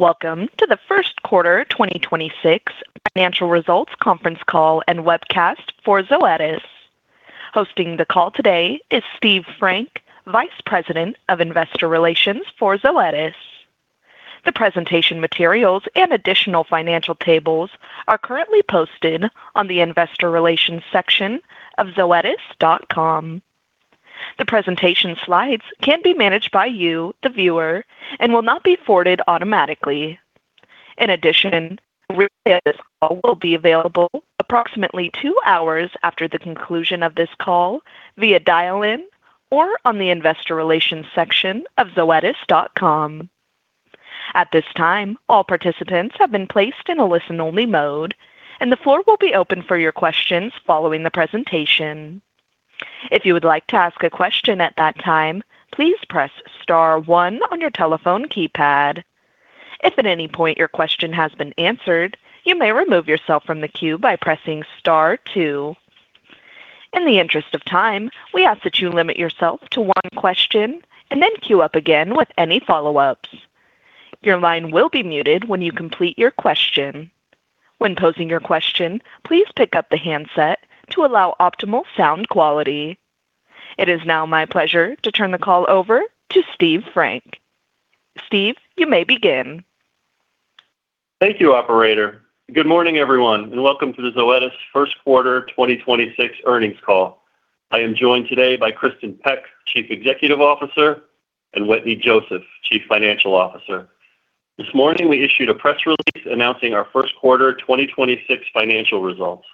Welcome to the First Quarter 2026 Financial Results Conference Call and Webcast for Zoetis. Hosting the call today is Steve Frank, Vice President of Investor Relations for Zoetis. The presentation materials and additional financial tables are currently posted on the investor relations section of zoetis.com. The presentation slides can be managed by you, the viewer, and will not be forwarded automatically. In addition, a replay of this call will be available approximately two hours after the conclusion of this call via dial-in or on the investor relations section of zoetis.com. If at any point your question has been answered, you may remove yourself from the queue by pressing star two. In the interest of time, we ask that you limit yourself to one question and then queue up again with any follow-ups. Your line will be muted when you complete your question. When posing your question, please pick up the handset to allow optimal sound quality. It is now my pleasure to turn the call over to Steve Frank. Steve, you may begin. Thank you, operator. Good morning, everyone, and welcome to the Zoetis first quarter 2026 earnings call. I am joined today by Kristin Peck, Chief Executive Officer, and Wetteny Joseph, Chief Financial Officer. This morning, we issued a press release announcing our first quarter 2026 financial results.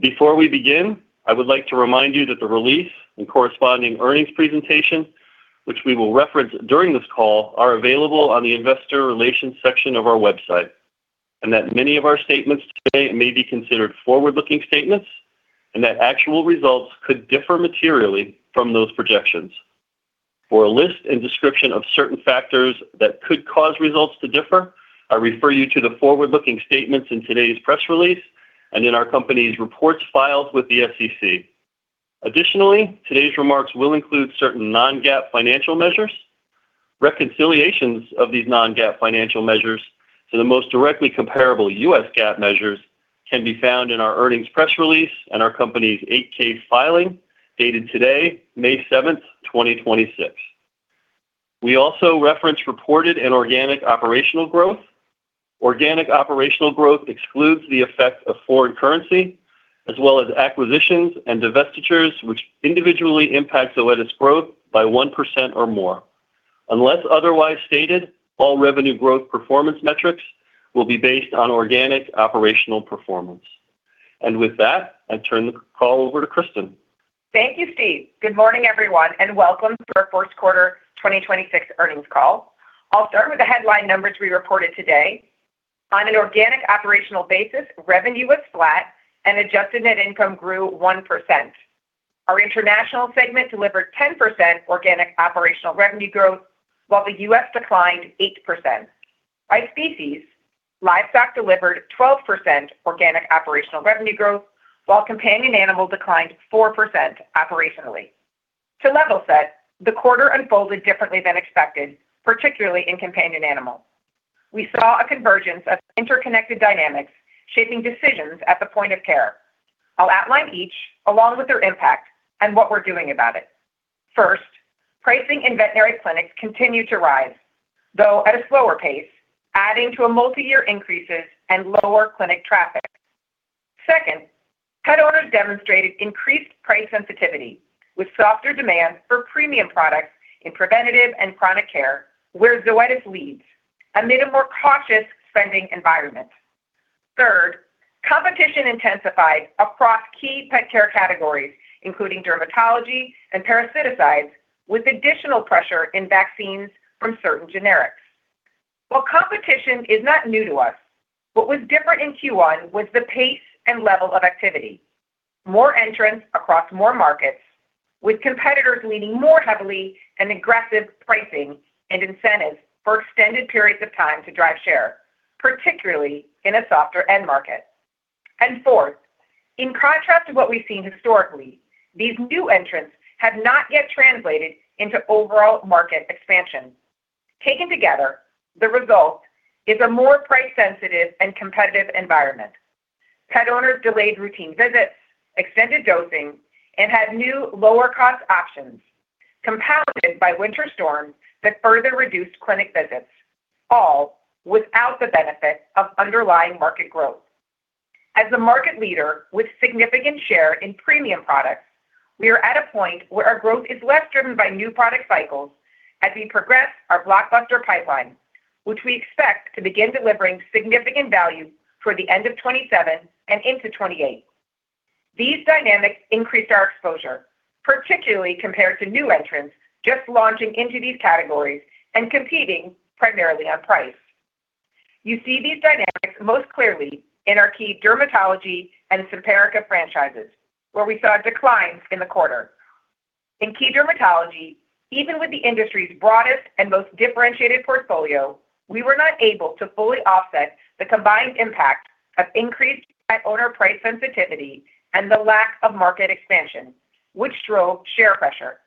Before we begin, I would like to remind you that the release and corresponding earnings presentation, which we will reference during this call, are available on the investor relations section of our website, and that many of our statements today may be considered forward-looking statements and that actual results could differ materially from those projections. For a list and description of certain factors that could cause results to differ, I refer you to the forward-looking statements in today's press release and in our company's reports filed with the SEC. Additionally, today's remarks will include certain non-GAAP financial measures. Reconciliations of these non-GAAP financial measures to the most directly comparable U.S. GAAP measures can be found in our earnings press release and our company's 8-K filing dated today, May 7th, 2026. We also reference reported and organic operational growth. Organic operational growth excludes the effect of foreign currency as well as acquisitions and divestitures which individually impact Zoetis growth by 1% or more. Unless otherwise stated, all revenue growth performance metrics will be based on organic operational performance. With that, I turn the call over to Kristin. Thank you, Steve. Good morning, everyone, and welcome to our first quarter 2026 earnings call. I'll start with the headline numbers we reported today. On an organic operational basis, revenue was flat and adjusted net income grew 1%. Our international segment delivered 10% organic operational revenue growth while the U.S. declined 8%. By species, livestock delivered 12% organic operational revenue growth while companion animals declined 4% operationally. To level set, the quarter unfolded differently than expected, particularly in companion animals. We saw a convergence of interconnected dynamics shaping decisions at the point of care. I'll outline each along with their impact and what we're doing about it. First, pricing in veterinary clinics continued to rise, though at a slower pace, adding to a multi-year increases and lower clinic traffic. Second, pet owners demonstrated increased price sensitivity with softer demand for premium products in preventative and chronic care where Zoetis leads amid a more cautious spending environment. Third, competition intensified across key pet care categories, including dermatology and parasiticides, with additional pressure in vaccines from certain generics. While competition is not new to us, what was different in Q1 was the pace and level of activity. More entrants across more markets with competitors leaning more heavily in aggressive pricing and incentives for extended periods of time to drive share, particularly in a softer end market. Fourth, in contrast to what we've seen historically, these new entrants have not yet translated into overall market expansion. Taken together, the result is a more price-sensitive and competitive environment. Pet owners delayed routine visits, extended dosing, and had new lower-cost options, compounded by winter storms that further reduced clinic visits, all without the benefit of underlying market growth. As the market leader with significant share in premium products, we are at a point where our growth is less driven by new product cycles as we progress our blockbuster pipeline, which we expect to begin delivering significant value toward the end of 2027 and into 2028. These dynamics increase our exposure, particularly compared to new entrants just launching into these categories and competing primarily on price. You see these dynamics most clearly in our key dermatology and Simparica franchises, where we saw a decline in the quarter. In key dermatology, even with the industry's broadest and most differentiated portfolio, we were not able to fully offset the combined impact of increased pet owner price sensitivity and the lack of market expansion, which drove share pressure.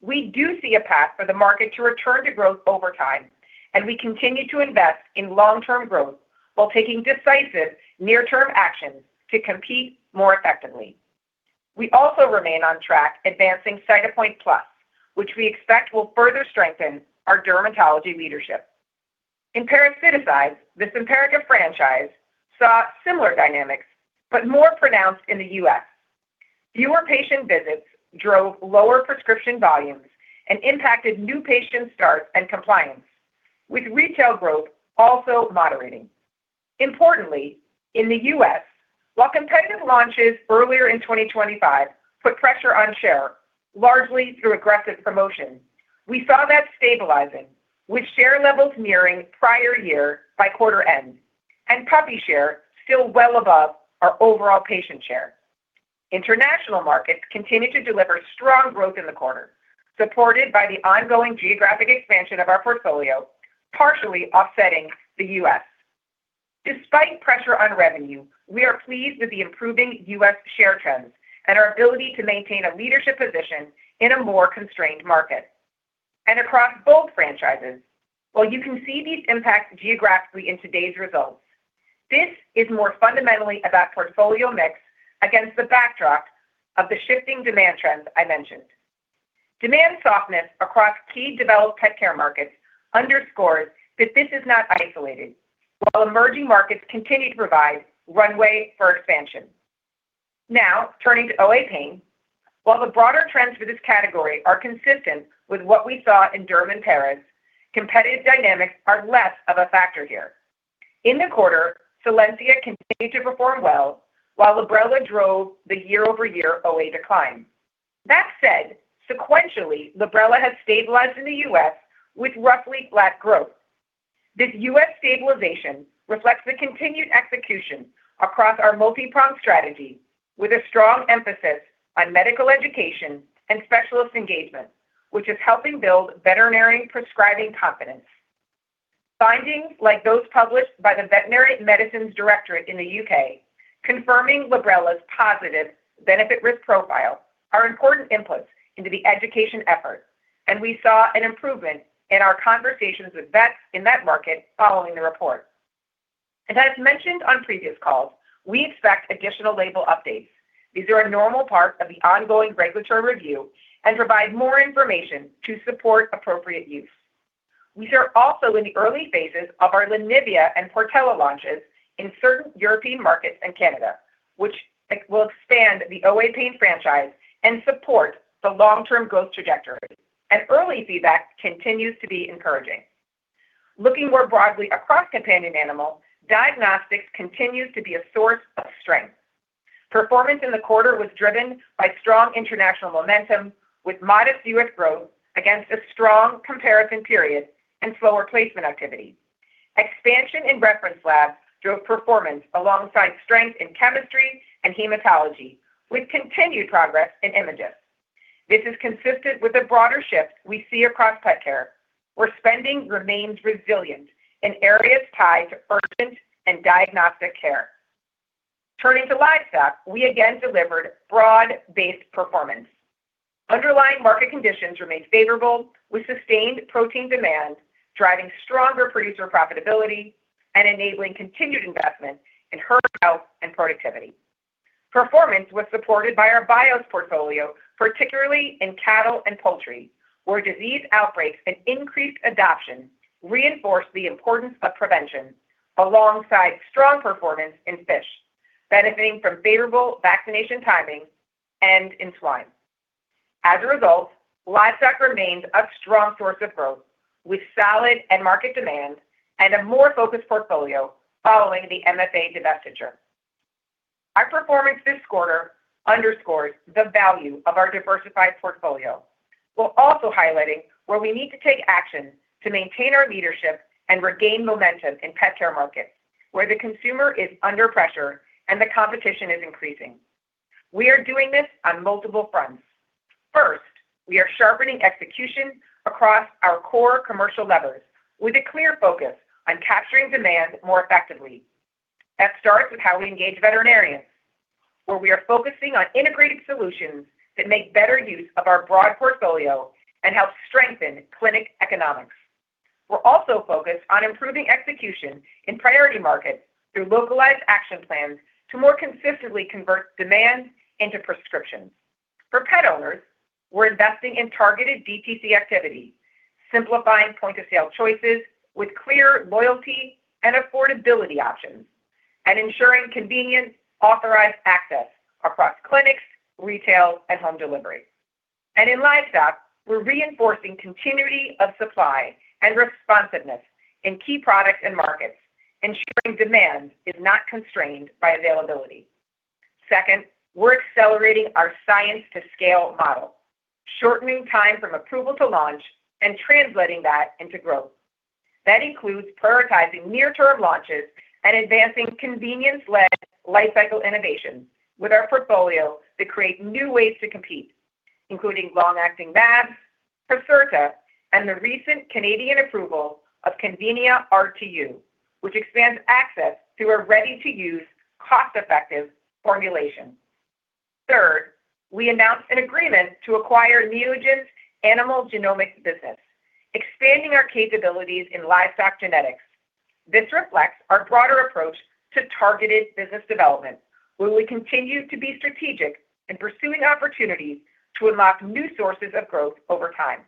We do see a path for the market to return to growth over time, and we continue to invest in long-term growth while taking decisive near-term actions to compete more effectively. We also remain on track advancing Cytopoint plus, which we expect will further strengthen our dermatology leadership. In parasiticide, the Simparica franchise saw similar dynamics, but more pronounced in the U.S. Fewer patient visits drove lower prescription volumes and impacted new patient starts and compliance, with retail growth also moderating. Importantly, in the U.S., while competitive launches earlier in 2025 put pressure on share, largely through aggressive promotion, we saw that stabilizing with share levels nearing prior year by quarter end, and puppy share still well above our overall patient share. International markets continued to deliver strong growth in the quarter, supported by the ongoing geographic expansion of our portfolio, partially offsetting the U.S. Despite pressure on revenue, we are pleased with the improving U.S. share trends and our ability to maintain a leadership position in a more constrained market. Across both franchises, while you can see these impacts geographically in today's results, this is more fundamentally about portfolio mix against the backdrop of the shifting demand trends I mentioned. Demand softness across key developed pet care markets underscores that this is not isolated, while emerging markets continue to provide runway for expansion. Now, turning to OA pain. While the broader trends for this category are consistent with what we saw in derm and paras, competitive dynamics are less of a factor here. In the quarter, Solensia continued to perform well, while Librela drove the year-over-year OA decline. That said, sequentially, Librela has stabilized in the U.S. with roughly flat growth. This U.S. stabilization reflects the continued execution across our multi-pronged strategy with a strong emphasis on medical education and specialist engagement, which is helping build veterinary prescribing confidence. Findings like those published by the Veterinary Medicines Directorate in the U.K. confirming Librela's positive benefit risk profile are important inputs into the education effort. We saw an improvement in our conversations with vets in that market following the report. As mentioned on previous calls, we expect additional label updates. These are a normal part of the ongoing regulatory review and provide more information to support appropriate use. We are also in the early phases of our Lenivia and Portela launches in certain European markets and Canada, which will expand the OA pain franchise and support the long-term growth trajectory. Early feedback continues to be encouraging. Looking more broadly across companion animals, diagnostics continues to be a source of strength. Performance in the quarter was driven by strong international momentum with modest U.S. growth against a strong comparison period and slower placement activity. Expansion in reference labs drove performance alongside strength in chemistry and hematology with continued progress in images. This is consistent with the broader shift we see across pet care, where spending remains resilient in areas tied to urgent and diagnostic care. Turning to livestock, we again delivered broad-based performance. Underlying market conditions remained favorable with sustained protein demand, driving stronger producer profitability and enabling continued investment in herd health and productivity. Performance was supported by our bios portfolio, particularly in cattle and poultry, where disease outbreaks and increased adoption reinforced the importance of prevention alongside strong performance in fish, benefiting from favorable vaccination timing and in swine. As a result, livestock remains a strong source of growth with solid end market demand and a more focused portfolio following the MFA divestiture. Our performance this quarter underscores the value of our diversified portfolio, while also highlighting where we need to take action to maintain our leadership and regain momentum in pet care markets, where the consumer is under pressure and the competition is increasing. We are doing this on multiple fronts. First, we are sharpening execution across our core commercial levers with a clear focus on capturing demand more effectively. That starts with how we engage veterinarians, where we are focusing on integrated solutions that make better use of our broad portfolio and help strengthen clinic economics. We're also focused on improving execution in priority markets through localized action plans to more consistently convert demand into prescriptions. For pet owners, we're investing in targeted DTC activities, simplifying point-of-sale choices with clear loyalty and affordability options, and ensuring convenient authorized access across clinics, retail, and home delivery. In livestock, we're reinforcing continuity of supply and responsiveness in key products and markets, ensuring demand is not constrained by availability. Second, we're accelerating our science-to-scale model, shortening time from approval to launch and translating that into growth. That includes prioritizing near-term launches and advancing convenience-led lifecycle innovations with our portfolio to create new ways to compete, including long-acting mABs, Procerta and the recent Canadian approval of Convenia RTU, which expands access to a ready-to-use cost-effective formulation. Third, we announced an agreement to acquire Neogen's animal genomics business, expanding our capabilities in livestock genetics. This reflects our broader approach to targeted business development, where we continue to be strategic in pursuing opportunities to unlock new sources of growth over time.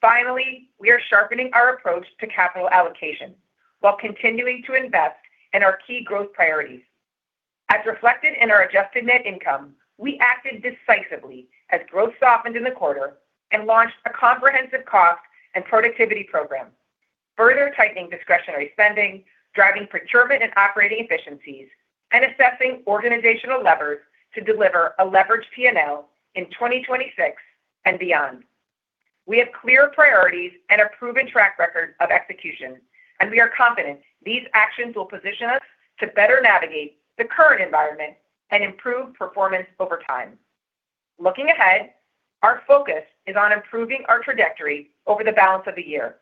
Finally, we are sharpening our approach to capital allocation while continuing to invest in our key growth priorities. As reflected in our adjusted net income, we acted decisively as growth softened in the quarter and launched a comprehensive cost and productivity program, further tightening discretionary spending, driving procurement and operating efficiencies, and assessing organizational levers to deliver a leveraged P&L in 2026 and beyond. We have clear priorities and a proven track record of execution. We are confident these actions will position us to better navigate the current environment and improve performance over time. Looking ahead, our focus is on improving our trajectory over the balance of the year.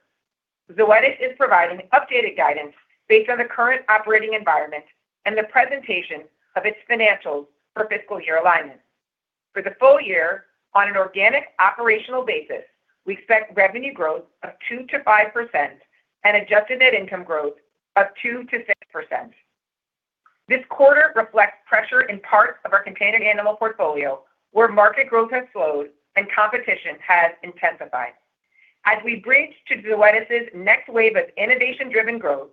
Zoetis is providing updated guidance based on the current operating environment and the presentation of its financials for Fiscal Year Alignment. For the full year, on an organic operational basis, we expect revenue growth of 2%-5% and adjusted net income growth of 2%-6%. This quarter reflects pressure in parts of our companion animal portfolio, where market growth has slowed and competition has intensified. As we bridge to Zoetis' next wave of innovation-driven growth,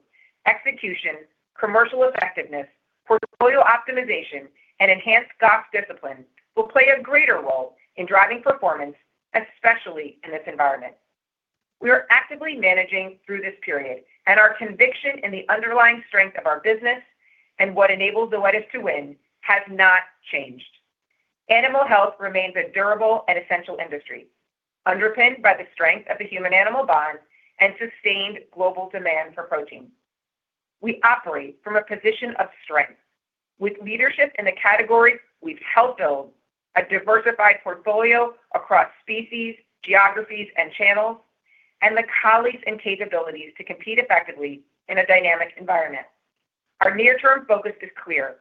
execution, commercial effectiveness, portfolio optimization, and enhanced cost discipline will play a greater role in driving performance, especially in this environment. We are actively managing through this period and our conviction in the underlying strength of our business and what enables Zoetis to win has not changed. Animal health remains a durable and essential industry, underpinned by the strength of the human animal bond and sustained global demand for protein. We operate from a position of strength. With leadership in the category, we've helped build a diversified portfolio across species, geographies, and channels, and the colleagues and capabilities to compete effectively in a dynamic environment. Our near-term focus is clear: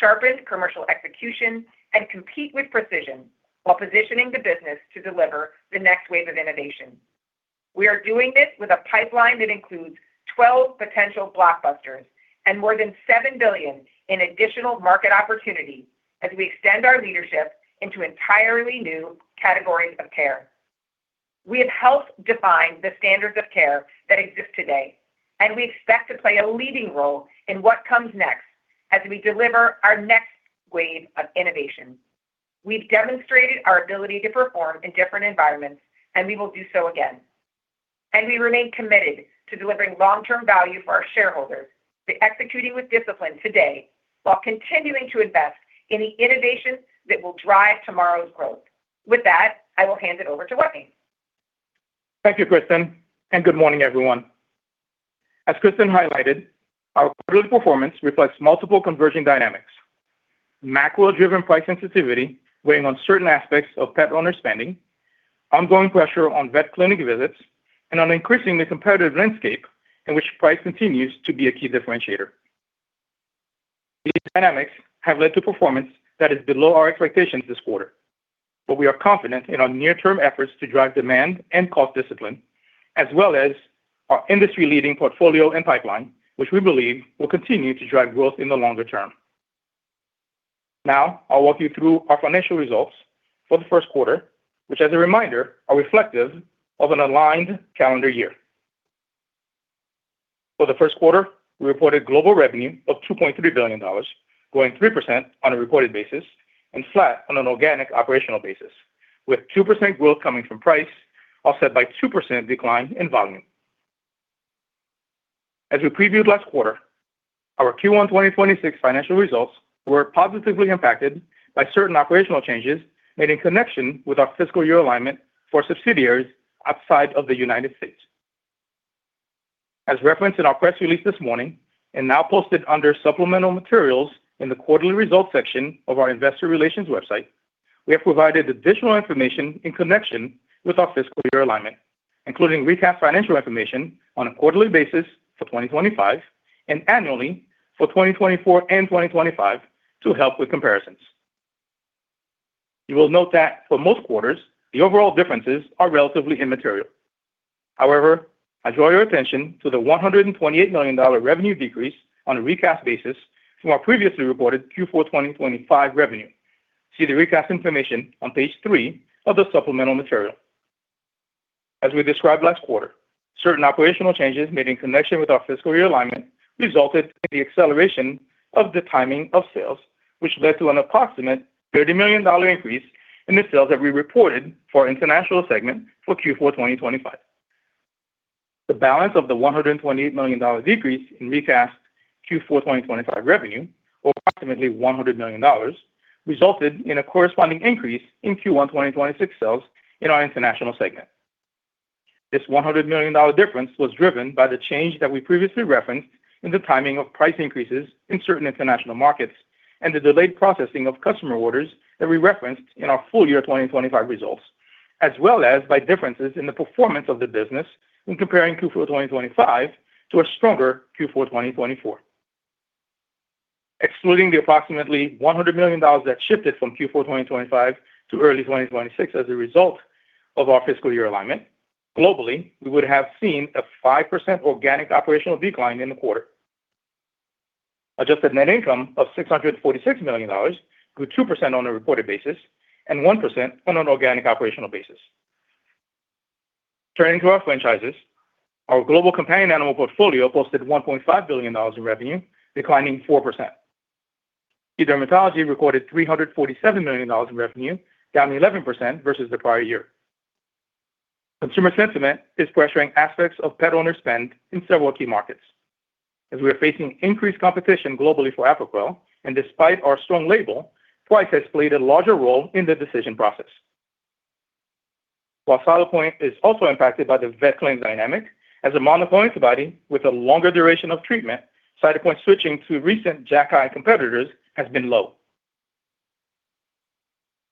sharpen commercial execution and compete with precision while positioning the business to deliver the next wave of innovation. We are doing this with a pipeline that includes 12 potential blockbusters and more than $7 billion in additional market opportunities as we extend our leadership into entirely new categories of care. We have helped define the standards of care that exist today, and we expect to play a leading role in what comes next as we deliver our next wave of innovation. We've demonstrated our ability to perform in different environments, and we will do so again. We remain committed to delivering long-term value for our shareholders by executing with discipline today while continuing to invest in the innovation that will drive tomorrow's growth. With that, I will hand it over to Wetteny. Thank you, Kristin, and good morning, everyone. As Kristin highlighted, our quarterly performance reflects multiple converging dynamics: macro-driven price sensitivity weighing on certain aspects of pet owner spending, ongoing pressure on vet clinic visits, and an increasingly competitive landscape in which price continues to be a key differentiator. These dynamics have led to performance that is below our expectations this quarter. We are confident in our near-term efforts to drive demand and cost discipline, as well as our industry-leading portfolio and pipeline, which we believe will continue to drive growth in the longer term. Now, I'll walk you through our financial results for the first quarter, which, as a reminder, are reflective of an aligned calendar year. For the first quarter, we reported global revenue of $2.3 billion, growing 3% on a reported basis and flat on an organic operational basis, with 2% growth coming from price, offset by 2% decline in volume. As we previewed last quarter, our Q1 2026 financial results were positively impacted by certain operational changes made in connection with our Fiscal Year Alignment for subsidiaries outside of the U.S. As referenced in our press release this morning and now posted under supplemental materials in the quarterly results section of our investor relations website, we have provided additional information in connection with our Fiscal Year Alignment, including recast financial information on a quarterly basis for 2025 and annually for 2024 and 2025 to help with comparisons. You will note that for most quarters, the overall differences are relatively immaterial. However, I draw your attention to the $128 million revenue decrease on a recast basis from our previously reported Q4 2025 revenue. See the recast information on page three of the supplemental material. As we described last quarter, certain operational changes made in connection with our Fiscal Year Alignment resulted in the acceleration of the timing of sales, which led to an approximate $30 million increase in the sales that we reported for our international segment for Q4 2025. The balance of the $128 million decrease in recast Q4 2025 revenue, or approximately $100 million, resulted in a corresponding increase in Q1 2026 sales in our international segment. This $100 million difference was driven by the change that we previously referenced in the timing of price increases in certain international markets and the delayed processing of customer orders that we referenced in our full year 2025 results, as well as by differences in the performance of the business when comparing Q4 2025 to a stronger Q4 2024. Excluding the approximately $100 million that shifted from Q4 2025 to early 2026 as a result of our Fiscal Year Alignment, globally, we would have seen a 5% organic operational decline in the quarter. Adjusted net income of $646 million, grew 2% on a reported basis and 1% on an organic operational basis. Turning to our franchises, our global companion animal portfolio posted $1.5 billion in revenue, declining 4%. eDermatology recorded $347 million in revenue, down 11% versus the prior year. Consumer sentiment is pressuring aspects of pet owner spend in several key markets as we are facing increased competition globally for Apoquel, and despite our strong label, price has played a larger role in the decision process. While Cytopoint is also impacted by the vet clinic dynamic as a monoclonal antibody with a longer duration of treatment, Cytopoint switching to recent JAKi competitors has been low.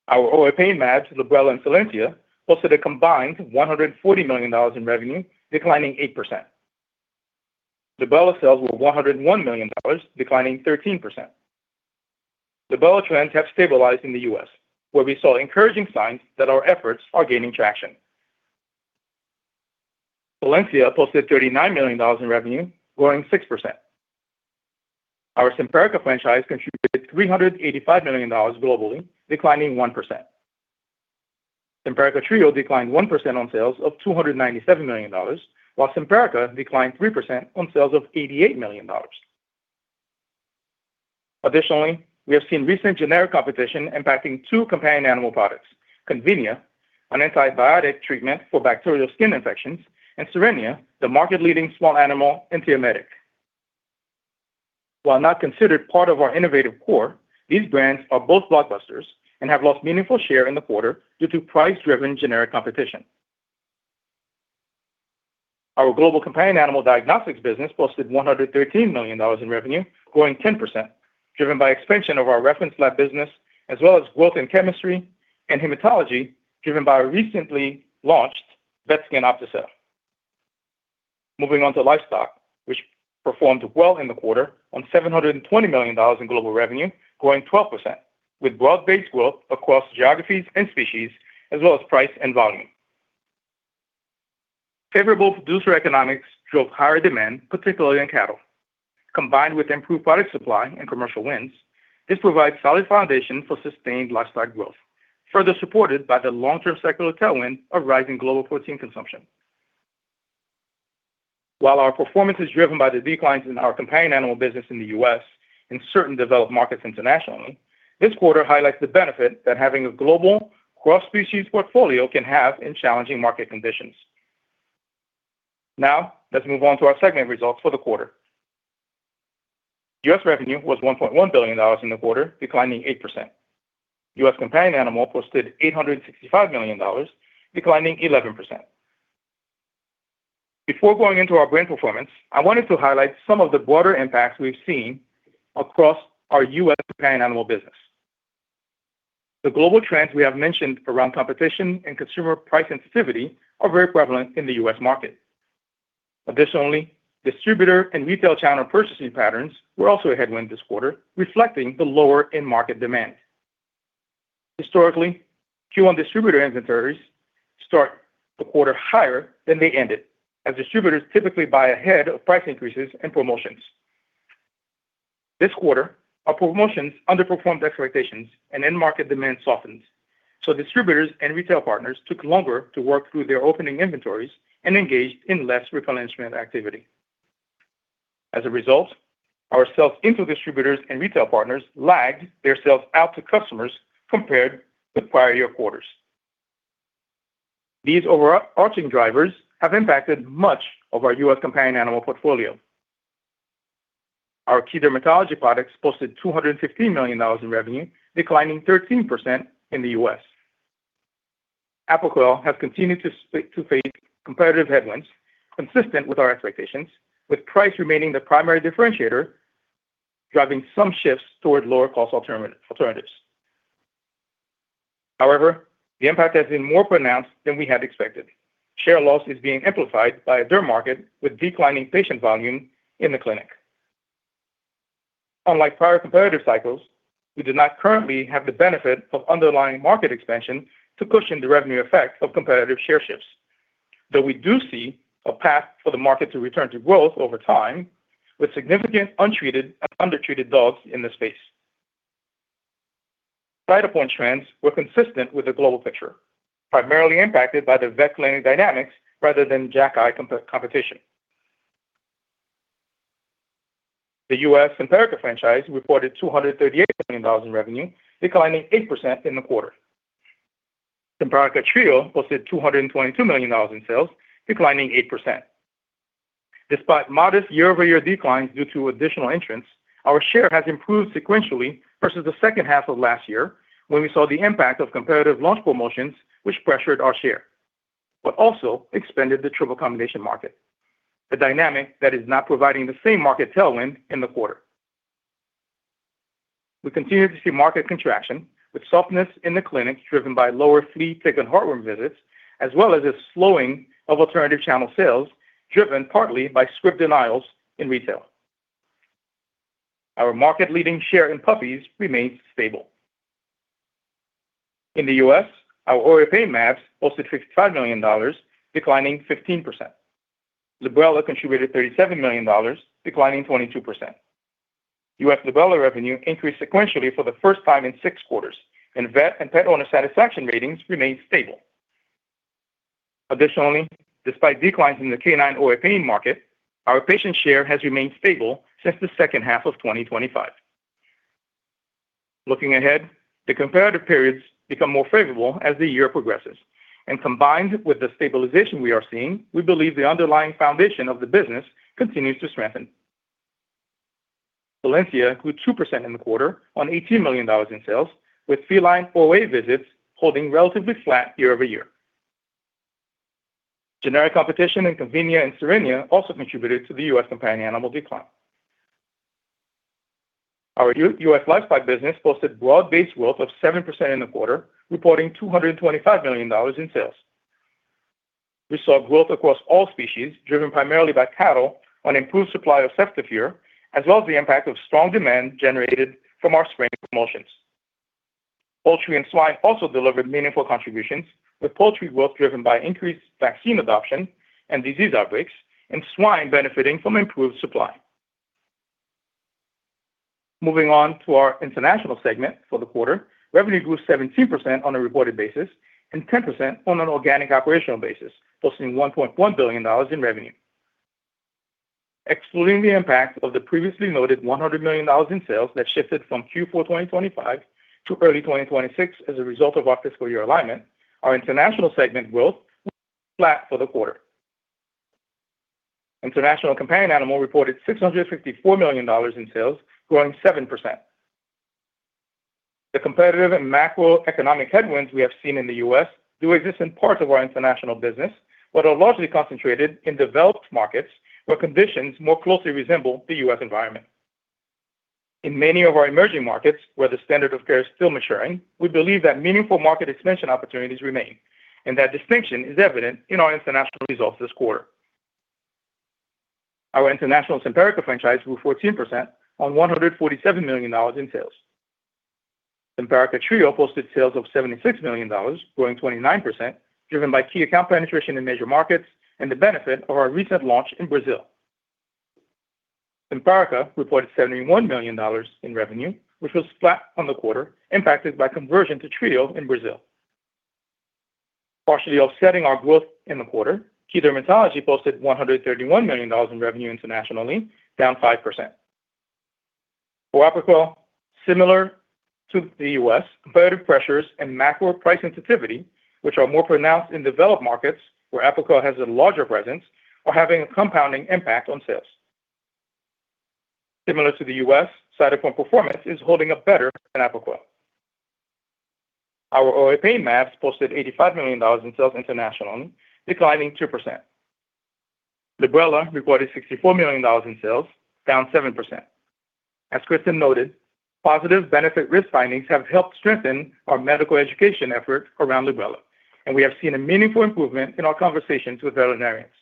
Our OA pain mAbs, Librela and Solensia, posted a combined $140 million in revenue, declining 8%. Librela sales were $101 million, declining 13%. Librela trends have stabilized in the U.S., where we saw encouraging signs that our efforts are gaining traction. Solensia posted $39 million in revenue, growing 6%. Our Simparica franchise contributed $385 million globally, declining 1%. Simparica Trio declined 1% on sales of $297 million, while Simparica declined 3% on sales of $88 million. Additionally, we have seen recent generic competition impacting two companion animal products, Convenia, an antibiotic treatment for bacterial skin infections, and Cerenia, the market-leading small animal antiemetic. While not considered part of our innovative core, these brands are both blockbusters and have lost meaningful share in the quarter due to price-driven generic competition. Our global companion animal diagnostics business posted $113 million in revenue, growing 10%, driven by expansion of our reference lab business as well as growth in chemistry and hematology, driven by our recently launched VetScan OptiCell. Moving on to livestock, which performed well in the quarter on $720 million in global revenue, growing 12%, with broad-based growth across geographies and species, as well as price and volume. Favorable producer economics drove higher demand, particularly in cattle. Combined with improved product supply and commercial wins, this provides solid foundation for sustained livestock growth, further supported by the long-term secular tailwind of rising global protein consumption. While our performance is driven by the declines in our companion animal business in the U.S. and certain developed markets internationally, this quarter highlights the benefit that having a global cross-species portfolio can have in challenging market conditions. Let's move on to our segment results for the quarter. U.S. revenue was $1.1 billion in the quarter, declining 8%. U.S. companion animal posted $865 million, declining 11%. Before going into our brand performance, I wanted to highlight some of the broader impacts we've seen across our U.S. companion animal business. The global trends we have mentioned around competition and consumer price sensitivity are very prevalent in the U.S. market. Distributor and retail channel purchasing patterns were also a headwind this quarter, reflecting the lower end market demand. Historically, Q1 distributor inventories start the quarter higher than they end it, as distributors typically buy ahead of price increases and promotions. This quarter, our promotions underperformed expectations and end market demand softens, so distributors and retail partners took longer to work through their opening inventories and engaged in less replenishment activity. As a result, our sales into distributors and retail partners lagged their sales out to customers compared with prior year quarters. These overarching drivers have impacted much of our U.S. companion animal portfolio. Our key dermatology products posted $215 million in revenue, declining 13% in the U.S. Apoquel has continued to face competitive headwinds consistent with our expectations, with price remaining the primary differentiator, driving some shifts toward lower-cost alternatives. However, the impact has been more pronounced than we had expected. Share loss is being amplified by a derm market with declining patient volume in the clinic. Unlike prior competitive cycles, we do not currently have the benefit of underlying market expansion to cushion the revenue effect of competitive share shifts. Though we do see a path for the market to return to growth over time, with significant untreated, undertreated dogs in this space. Cytopoint trends were consistent with the global picture, primarily impacted by the vet clinic dynamics rather than JAKi competition. The U.S. Simparica franchise reported $238 million in revenue, declining 8% in the quarter. Simparica Trio posted $222 million in sales, declining 8%. Despite modest year-over-year declines due to additional entrants, our share has improved sequentially versus the second half of last year when we saw the impact of competitive launch promotions which pressured our share, but also expanded the triple combination market, a dynamic that is not providing the same market tailwind in the quarter. We continue to see market contraction, with softness in the clinic driven by lower flea, tick, and heartworm visits, as well as a slowing of alternative channel sales, driven partly by script denials in retail. Our market-leading share in puppies remains stable. In the U.S., our OA pain mAbs posted $55 million, declining 15%. Librela contributed $37 million, declining 22%. U.S. Librela revenue increased sequentially for the first time in six quarters, and vet and pet owner satisfaction ratings remained stable. Additionally, despite declines in the canine OA pain market, our patient share has remained stable since the second half of 2025. Looking ahead, the comparative periods become more favorable as the year progresses. Combined with the stabilization we are seeing, we believe the underlying foundation of the business continues to strengthen. Solensia grew 2% in the quarter on $18 million in sales, with feline OA visits holding relatively flat year-over-year. Generic competition in Convenia and Cerenia also contributed to the U.S. companion animal decline. Our U.S. Lifestyle business posted broad-based growth of 7% in the quarter, reporting $225 million in sales. We saw growth across all species, driven primarily by cattle on improved supply of ceftiofur, as well as the impact of strong demand generated from our spring promotions. Poultry and swine also delivered meaningful contributions, with poultry growth driven by increased vaccine adoption and disease outbreaks, and swine benefiting from improved supply. Moving on to our international segment for the quarter, revenue grew 17% on a reported basis and 10% on an organic operational basis, posting $1.1 billion in revenue. Excluding the impact of the previously noted $100 million in sales that shifted from Q4 2025 to early 2026 as a result of our Fiscal Year Alignment, our international segment growth was flat for the quarter. International Companion Animal reported $654 million in sales, growing 7%. The competitive and macroeconomic headwinds we have seen in the U.S. do exist in parts of our international business, but are largely concentrated in developed markets where conditions more closely resemble the U.S. environment. In many of our emerging markets, where the standard of care is still maturing, we believe that meaningful market expansion opportunities remain, and that distinction is evident in our international results this quarter. Our international Simparica franchise grew 14% on $147 million in sales. Simparica Trio posted sales of $76 million, growing 29% driven by key account penetration in major markets and the benefit of our recent launch in Brazil. Simparica reported $71 million in revenue, which was flat on the quarter, impacted by conversion to Trio in Brazil. Partially offsetting our growth in the quarter, Key Dermatology posted $131 million in revenue internationally, down 5%. For Apoquel, similar to the U.S., competitive pressures and macro price sensitivity, which are more pronounced in developed markets where Apoquel has a larger presence, are having a compounding impact on sales. Similar to the U.S., Cytopoint performance is holding up better than Apoquel. Our OA pain mAbs posted $85 million in sales internationally, declining 2%. Librela reported $64 million in sales, down 7%. As Kristin noted, positive benefit risk findings have helped strengthen our medical education effort around Librela, and we have seen a meaningful improvement in our conversations with veterinarians.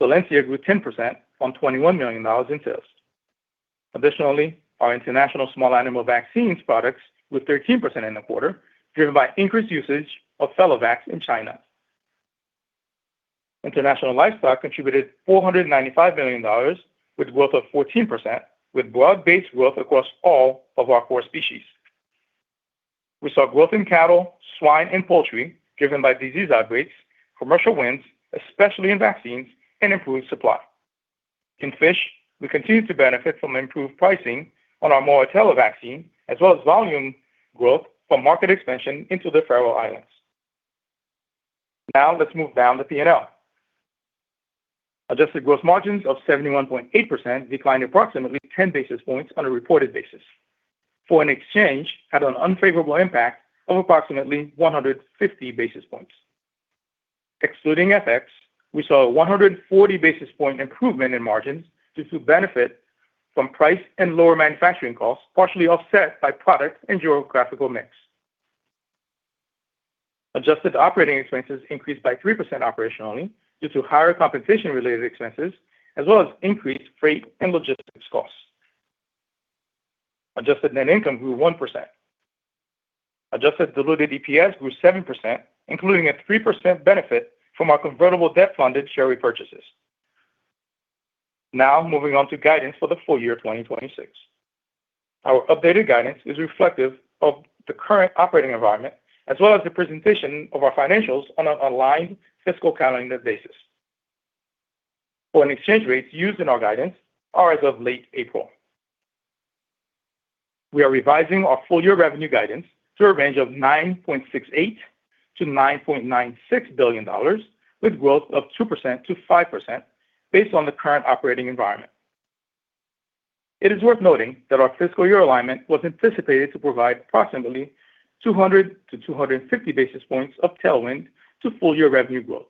Solensia grew 10% on $21 million in sales. Our international small animal vaccines products grew 13% in the quarter, driven by increased usage of Fel-O-Vax in China. International Livestock contributed $495 million with growth of 14% with broad-based growth across all of our core species. We saw growth in cattle, swine and poultry driven by disease outbreaks, commercial wins, especially in vaccines and improved supply. In fish, we continue to benefit from improved pricing on our Bordetella vaccine as well as volume growth from market expansion into the Faroe Islands. Let's move down the P&L. Adjusted gross margins of 71.8% declined approximately 10 basis points on a reported basis. Foreign exchange had an unfavorable impact of approximately 150 basis points. Excluding FX, we saw a 140 basis point improvement in margins due to benefit from price and lower manufacturing costs, partially offset by product and geographical mix. Adjusted operating expenses increased by 3% operationally due to higher compensation-related expenses as well as increased freight and logistics costs. Adjusted net income grew 1%. Adjusted diluted EPS grew 7%, including a 3% benefit from our convertible debt-funded share repurchases. Moving on to guidance for the full year 2026. Our updated guidance is reflective of the current operating environment as well as the presentation of our financials on an aligned fiscal calendar basis. Foreign exchange rates used in our guidance are as of late April. We are revising our full-year revenue guidance to a range of $9.68 billion-$9.96 billion with growth of 2%-5% based on the current operating environment. It is worth noting that our Fiscal Year Alignment was anticipated to provide approximately 200-250 basis points of tailwind to full-year revenue growth.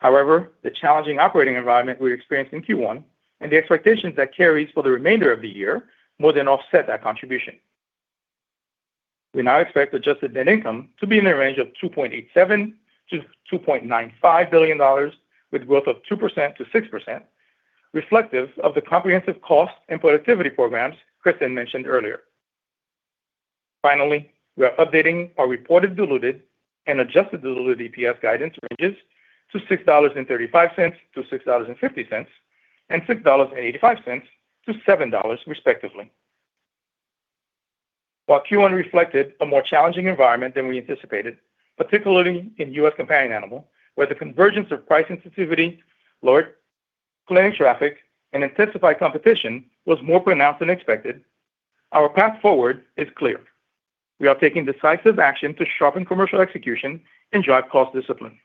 The challenging operating environment we experienced in Q1 and the expectations that carries for the remainder of the year more than offset that contribution. We now expect adjusted net income to be in the range of $2.87 billion-$2.95 billion with growth of 2%-6%, reflective of the comprehensive cost and productivity programs Kristin mentioned earlier. We are updating our reported diluted and adjusted diluted EPS guidance ranges to $6.35-$6.50, and $6.85-$7.00 respectively. While Q1 reflected a more challenging environment than we anticipated, particularly in U.S. companion animal, where the convergence of price sensitivity, lower clinic traffic, and intensified competition was more pronounced than expected, our path forward is clear. We are taking decisive action to sharpen commercial execution and drive cost discipline.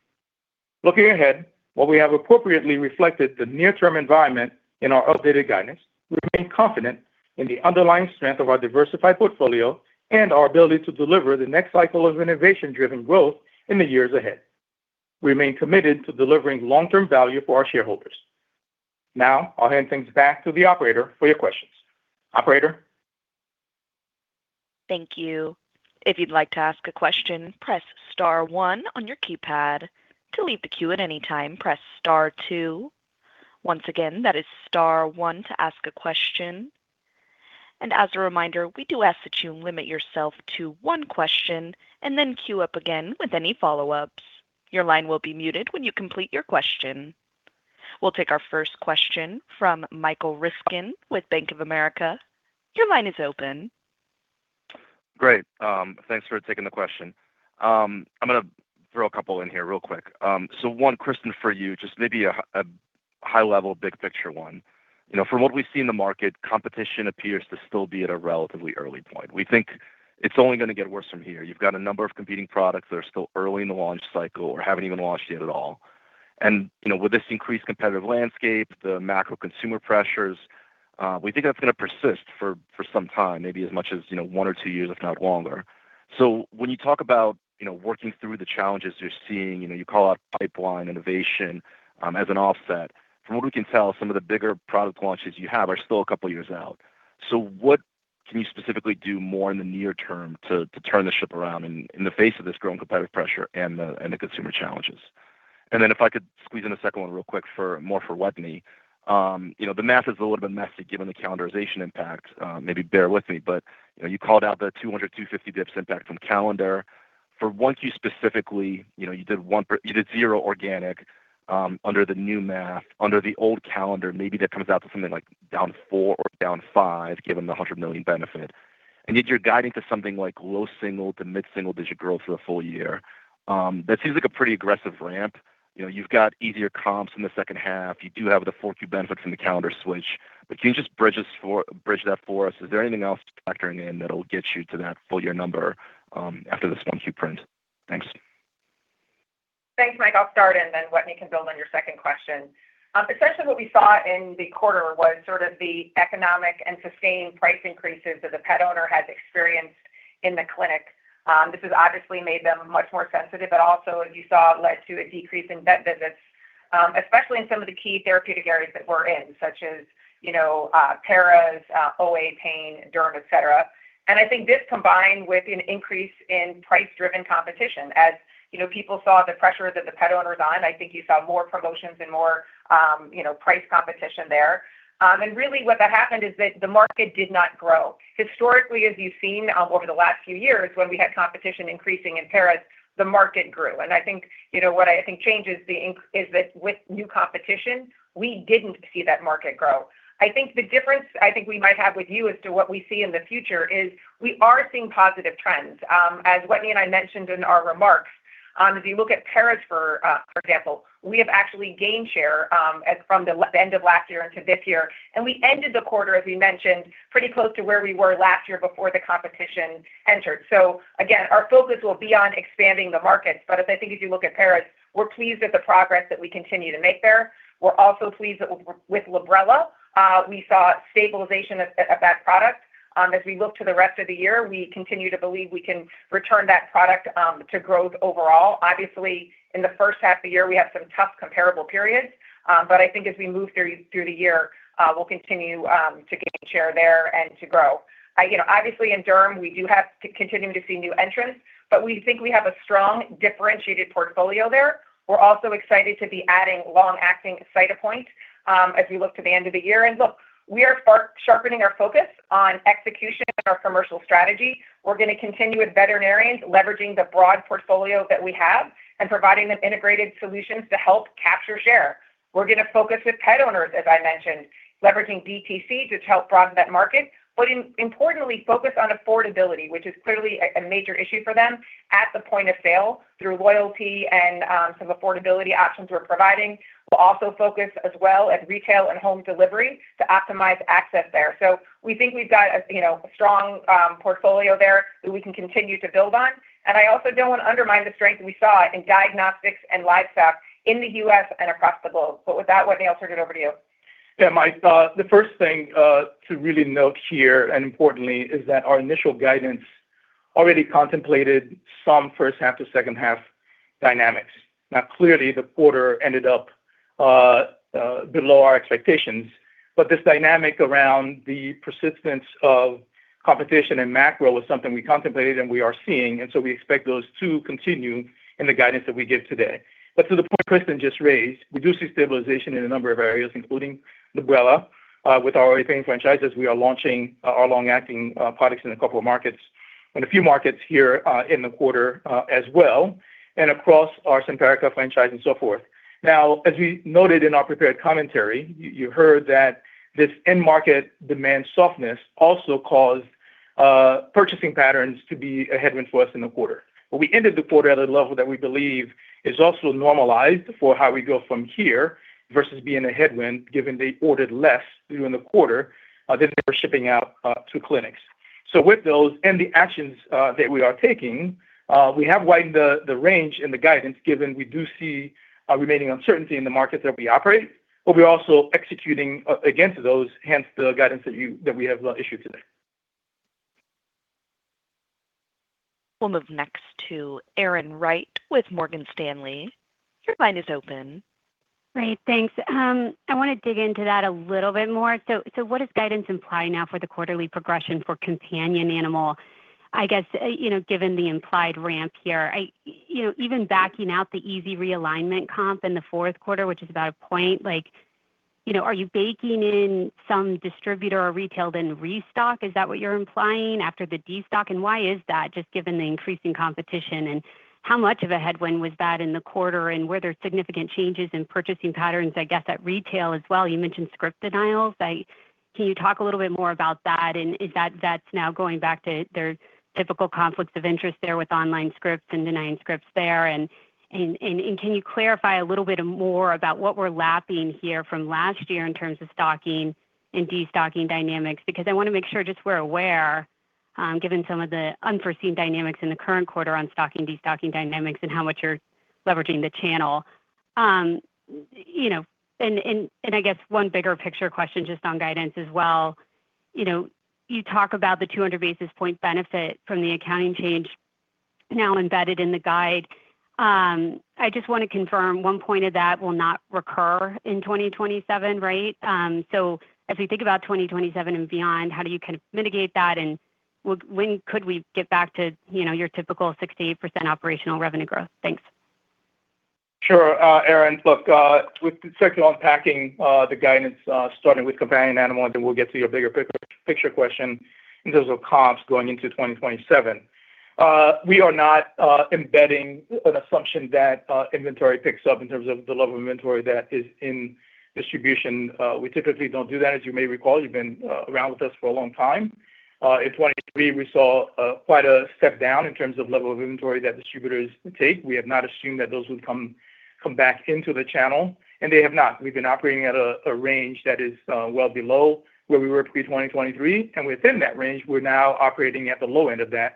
Looking ahead, while we have appropriately reflected the near-term environment in our updated guidance, we remain confident in the underlying strength of our diversified portfolio and our ability to deliver the next cycle of innovation-driven growth in the years ahead. We remain committed to delivering long-term value for our shareholders. Now, I'll hand things back to the operator for your questions. Operator? Thank you. If you'd like to ask a question, press star one on your keypad. To leave the queue at any time, press star two. Once again, that is star one to ask a question. As a reminder, we do ask that you limit yourself to one question and then queue up again with any follow-ups. Your line will be muted when you complete your question. We'll take our first question from Michael Ryskin with Bank of America. Your line is open. Great. Thanks for taking the question. I'm gonna throw a couple in here real quick. So, one Kristin, for you, just maybe a high-level big picture one. You know, from what we've seen in the market, competition appears to still be at a relatively early point. We think it's only gonna get worse from here. You've got a number of competing products that are still early in the launch cycle or haven't even launched yet at all. You know, with this increased competitive landscape, the macro consumer pressures, we think that's gonna persist for some time, maybe as much as, you know, one or two years, if not longer. When you talk about, you know, working through the challenges you're seeing, you know, you call out pipeline innovation as an offset. From what we can tell, some of the bigger product launches you have are still a couple of years out. What can you specifically do more in the near term to turn the ship around in the face of this growing competitive pressure and the consumer challenges? If I could squeeze in a second one real quick for, more for Wetteny. You know, the math is a little bit messy given the calendarization impact. Maybe bear with me, you know, you called out the $200, $250 dip impact from calendar. For 1Q specifically, you know, you did zero organic under the new math. Under the old calendar, maybe that comes out to something like down four or down five, given the $100 million benefit. Yet you're guiding to something like low single to mid-single-digit growth for the full year. That seems like a pretty aggressive ramp. You know, you've got easier comps in the second half. You do have the 4Q benefit from the calendar switch. Can you just bridge that for us? Is there anything else factoring in that'll get you to that full year number after this 1Q print? Thanks. Thanks, Mike. I'll start and then Wetteny can build on your second question. Essentially what we saw in the quarter was sort of the economic and sustained price increases that the pet owner has experienced in the clinic. This has obviously made them much more sensitive, but also, as you saw, led to a decrease in vet visits, especially in some of the key therapeutic areas that we're in, such as, you know, paras, OA pain, derm, et cetera. I think this combined with an increase in price-driven competition. As, you know, people saw the pressure that the pet owner's on, I think you saw more promotions and more, you know, price competition there. Really what that happened is that the market did not grow. Historically, as you've seen, over the last few years when we had competition increasing in paras, the market grew. I think, you know, what I think changes is that with new competition, we didn't see that market grow. I think the difference I think we might have with you as to what we see in the future is we are seeing positive trends. As Wetteny and I mentioned in our remarks, if you look at paras for example, we have actually gained share from the end of last year into this year. We ended the quarter, as we mentioned, pretty close to where we were last year before the competition entered. Again, our focus will be on expanding the markets. As I think as you look at paras, we're pleased with the progress that we continue to make there. We're also pleased with Librela. We saw stabilization of that product. As we look to the rest of the year, we continue to believe we can return that product to growth overall. Obviously, in the first half of the year, we have some tough comparable periods. I think as we move through the year, we'll continue to gain share there and to grow. You know, obviously in derm, we do have continuing to see new entrants, but we think we have a strong differentiated portfolio there. We're also excited to be adding long-acting Cytopoint as we look to the end of the year. Look, we are sharpening our focus on execution and our commercial strategy. We're going to continue with veterinarians, leveraging the broad portfolio that we have and providing them integrated solutions to help capture share. We're going to focus with pet owners, as I mentioned, leveraging DTC to help broaden that market, but importantly focus on affordability, which is clearly a major issue for them at the point of sale through loyalty and some affordability options we're providing. We'll also focus as well at retail and home delivery to optimize access there. We think we've got a, you know, a strong portfolio there that we can continue to build on. I also don't want to undermine the strength we saw in diagnostics and livestock in the U.S. and across the globe. With that, Wetteny, I'll turn it over to you. Yeah, Mike, the first thing to really note here, and importantly, is that our initial guidance already contemplated some first half to second half dynamics. Clearly, the quarter ended up below our expectations, but this dynamic around the persistence of competition and macro was something we contemplated and we are seeing, so we expect those to continue in the guidance that we give today. To the point Kristin just raised, we do see stabilization in a number of areas, including Librela. With our OA pain franchises, we are launching our long-acting products in a couple of markets, in a few markets here, in the quarter, as well, and across our Simparica franchise and so forth. As we noted in our prepared commentary, you heard that this end market demand softness also caused purchasing patterns to be a headwind for us in the quarter. We ended the quarter at a level that we believe is also normalized for how we go from here versus being a headwind, given they ordered less during the quarter than they were shipping out to clinics. With those and the actions that we are taking, we have widened the range in the guidance given we do see a remaining uncertainty in the markets that we operate, but we're also executing against those, hence the guidance that we have issued today. We'll move next to Erin Wright with Morgan Stanley. Your line is open. Great. Thanks. I want to dig into that a little bit more. What does guidance imply now for the quarterly progression for companion animal? I guess, you know, given the implied ramp here, you know, even backing out the easy realignment comp in the fourth quarter, which is about 1 point, like, you know, are you baking in some distributor or retail then restock? Is that what you're implying after the destock? Why is that, just given the increasing competition, and how much of a headwind was that in the quarter, and were there significant changes in purchasing patterns, I guess, at retail as well? You mentioned script denials. Can you talk a little bit more about that, and is that now going back to their typical conflicts of interest there with online scripts and denying scripts there? Can you clarify a little bit more about what we're lapping here from last year in terms of stocking and destocking dynamics? Because I wanna make sure just we're aware, given some of the unforeseen dynamics in the current quarter on stocking, destocking dynamics and how much you're leveraging the channel. You know, I guess one bigger picture question just on guidance as well. You know, you talk about the 200 basis points benefit from the accounting change now embedded in the guide. I just wanna confirm 1 point of that will not recur in 2027, right? As we think about 2027 and beyond, how do you kind of mitigate that, and when could we get back to, you know, your typical 6%-8% operational revenue growth? Thanks. Sure, Erin. Look, let's start with unpacking the guidance, starting with companion animal, and then we'll get to your bigger picture question in terms of comps going into 2027. We are not embedding an assumption that inventory picks up in terms of the level of inventory that is in distribution. We typically don't do that. As you may recall, you've been around with us for a long time. In 2023, we saw quite a step down in terms of level of inventory that distributors take. We have not assumed that those would come back into the channel, and they have not. We've been operating at a range that is well below where we were pre-2023. Within that range, we're now operating at the low end of that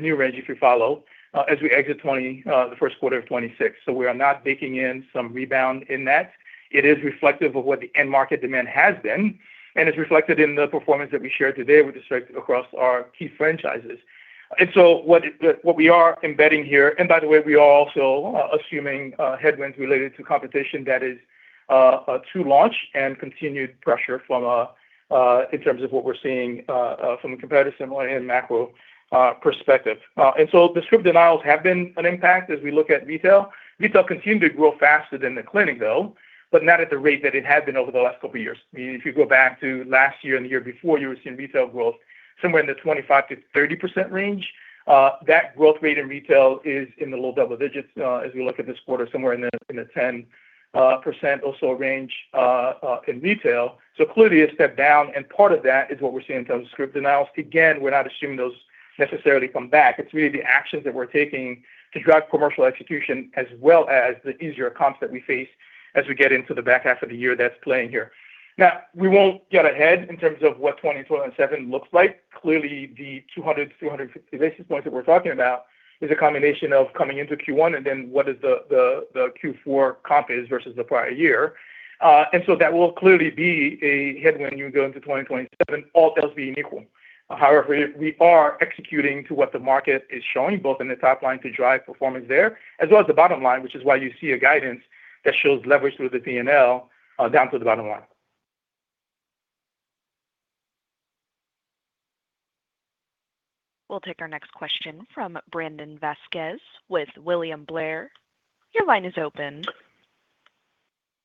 new range, if you follow, as we exit the first quarter of 2026. We are not baking in some rebound in that. It is reflective of what the end market demand has been, and it's reflected in the performance that we shared today with respect across our key franchises. What we are embedding here, and by the way, we are also assuming headwinds related to competition that is to launch and continued pressure from in terms of what we're seeing from a competitive and macro perspective. The script denials have been an impact as we look at retail. Retail continued to grow faster than the clinic, though, not at the rate that it had been over the last couple years. I mean, if you go back to last year and the year before, you were seeing retail growth somewhere in the 25%-30% range. That growth rate in retail is in the low double digits, as we look at this quarter, somewhere in the 10% or so range, in retail. Clearly a step down, and part of that is what we're seeing in terms of script denials. Again, we're not assuming those necessarily come back. It's really the actions that we're taking to drive commercial execution, as well as the easier comps that we face as we get into the back half of the year that's playing here. Now, we won't get ahead in terms of what 2027 looks like. Clearly, the 200-300 basis points that we're talking about is a combination of coming into Q1 and then what is the Q4 comp is versus the prior year. That will clearly be a headwind as you go into 2027, all else being equal. However, we are executing to what the market is showing, both in the top line to drive performance there, as well as the bottom line, which is why you see a guidance that shows leverage through the P&L down to the bottom line. We'll take our next question from Brandon Vazquez with William Blair. Your line is open.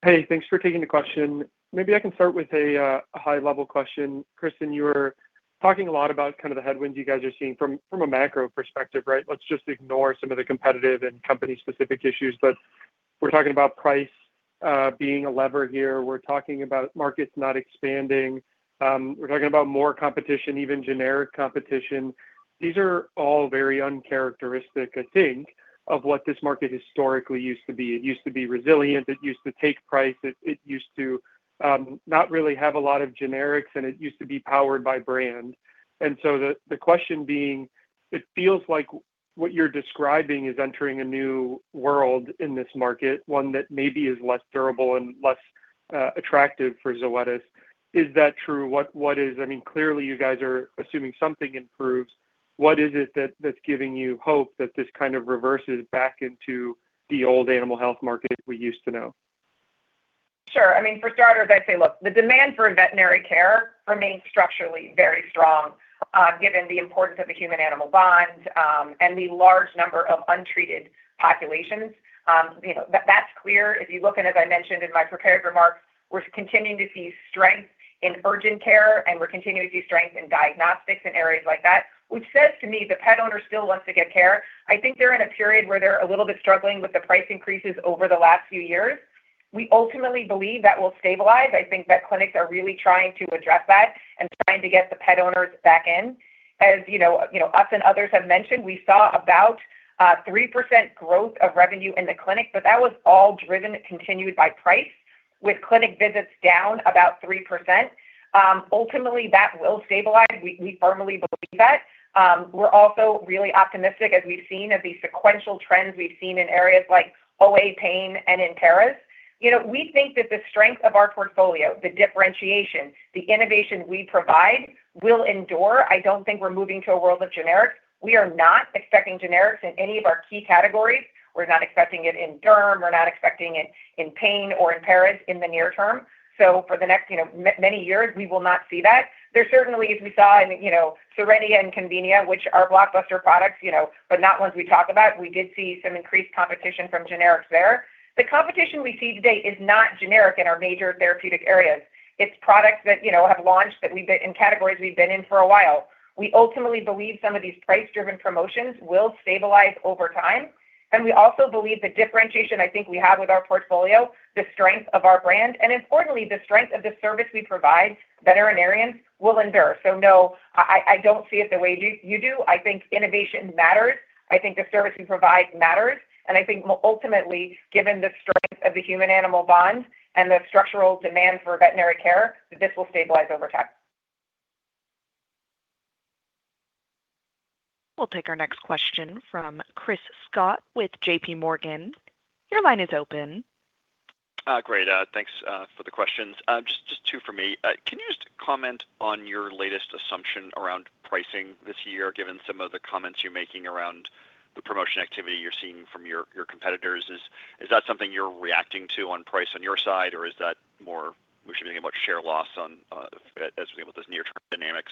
Hey, thanks for taking the question. Maybe I can start with a high-level question. Kristin, you were talking a lot about kind of the headwinds you guys are seeing from a macro perspective, right? Let's just ignore some of the competitive and company-specific issues. We're talking about price being a lever here. We're talking about markets not expanding. We're talking about more competition, even generic competition. These are all very uncharacteristic, I think, of what this market historically used to be. It used to be resilient. It used to take price. It used to not really have a lot of generics, and it used to be powered by brand. The question being, it feels like what you're describing is entering a new world in this market, one that maybe is less durable and less Attractive for Zoetis. Is that true? I mean, clearly you guys are assuming something improves. What is it that's giving you hope that this kind of reverses back into the old animal health market we used to know? Sure. I mean, for starters, I'd say, look, the demand for veterinary care remains structurally very strong, given the importance of the human animal bond, and the large number of untreated populations. You know, that's clear. If you look at, as I mentioned in my prepared remarks, we're continuing to see strength in urgent care, and we're continuing to see strength in diagnostics and areas like that, which says to me the pet owner still wants to get care. I think they're in a period where they're a little bit struggling with the price increases over the last few years. We ultimately believe that will stabilize. I think vet clinics are really trying to address that and trying to get the pet owners back in. As you know, us and others have mentioned, we saw about 3% growth of revenue in the clinic, but that was all driven, continued by price, with clinic visits down about 3%. Ultimately, that will stabilize. We firmly believe that. We're also really optimistic as we've seen of the sequential trends we've seen in areas like OA pain and in paras. You know, we think that the strength of our portfolio, the differentiation, the innovation we provide will endure. I don't think we're moving to a world of generics. We are not expecting generics in any of our key categories. We're not expecting it in derm. We're not expecting it in pain or in paras in the near term. For the next, you know, many years, we will not see that. There's certainly, as we saw in, you know, Cerenia and Convenia, which are blockbuster products, you know, but not ones we talk about. We did see some increased competition from generics there. The competition we see today is not generic in our major therapeutic areas. It's products that, you know, have launched in categories we've been in for a while. We ultimately believe some of these price-driven promotions will stabilize over time. We also believe the differentiation I think we have with our portfolio, the strength of our brand, and importantly, the strength of the service we provide veterinarians will endure. No, I don't see it the way you do. I think innovation matters. I think the service we provide matters. I think ultimately, given the strength of the human animal bond and the structural demand for veterinary care, this will stabilize over time. We'll take our next question from Chris Schott with JPMorgan. Your line is open. Great. Thanks for the questions. Just two for me. Can you just comment on your latest assumption around pricing this year, given some of the comments you're making around the promotion activity you're seeing from your competitors? Is that something you're reacting to on price on your side, or is that more we should be thinking about share loss on as we think about those near-term dynamics?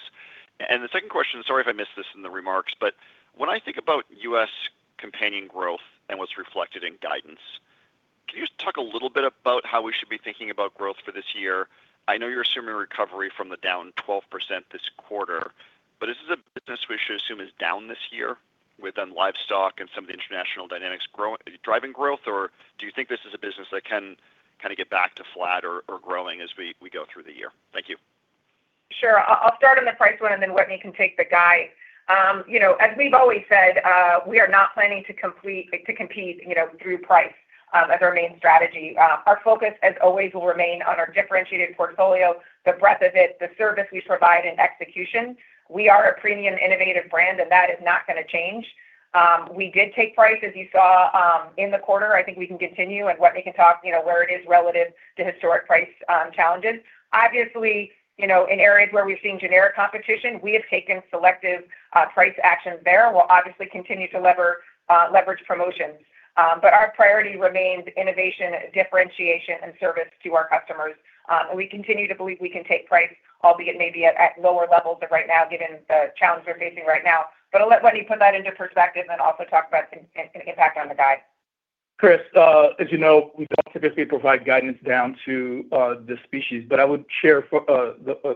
The second question, sorry if I missed this in the remarks, but when I think about U.S. companion growth and what's reflected in guidance, can you just talk a little bit about how we should be thinking about growth for this year? I know you're assuming recovery from the down 12% this quarter, but is this a business we should assume is down this year within livestock and some of the international dynamics driving growth, or do you think this is a business that can kinda get back to flat or growing as we go through the year? Thank you. Sure. I'll start on the price one, Wetteny can take the guide. You know, as we've always said, we are not planning to compete, you know, through price as our main strategy. Our focus, as always, will remain on our differentiated portfolio, the breadth of it, the service we provide, and execution. We are a premium innovative brand, that is not gonna change. We did take price, as you saw, in the quarter. I think we can continue, Wetteny can talk, you know, where it is relative to historic price challenges. Obviously, you know, in areas where we've seen generic competition, we have taken selective price actions there. We'll obviously continue to lever leverage promotions. Our priority remains innovation, differentiation, and service to our customers. We continue to believe we can take price, albeit maybe at lower levels of right now given the challenge we're facing right now. I'll let Wetteny put that into perspective and also talk about the impact on the guide. Chris, as you know, we don't typically provide guidance down to the species, but I would share a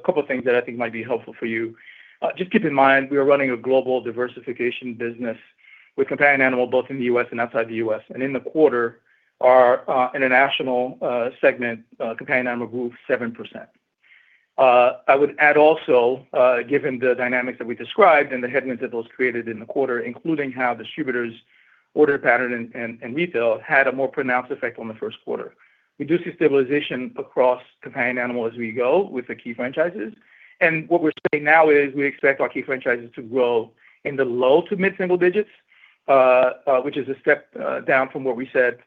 couple of things that I think might be helpful for you. Just keep in mind, we are running a global diversification business with companion animal both in the U.S. and outside the U.S. In the quarter, our international segment companion animal grew 7%. I would add also, given the dynamics that we described and the headwinds that those created in the quarter, including how distributors' order pattern and retail had a more pronounced effect on the first quarter. We do see stabilization across companion animal as we go with the key franchises. What we're saying now is we expect our key franchises to grow in the low to mid-single digits, which is a step down from what we said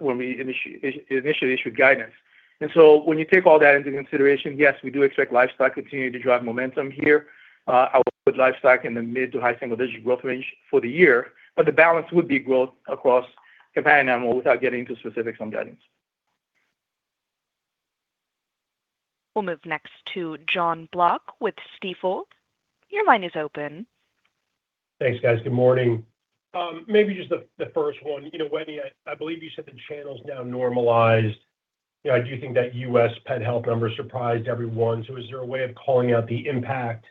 when we initially issued guidance. When you take all that into consideration, yes, we do expect livestock continue to drive momentum here. I would put livestock in the mid to high single-digit growth range for the year, but the balance would be growth across companion animal without getting into specifics on guidance. We'll move next to Jon Block with Stifel. Your line is open. Thanks, guys. Good morning. Maybe just the first one. You know, Wetteny, I believe you said the channel's now normalized. You know, I do think that U.S. pet health numbers surprised everyone. Is there a way of calling out the impact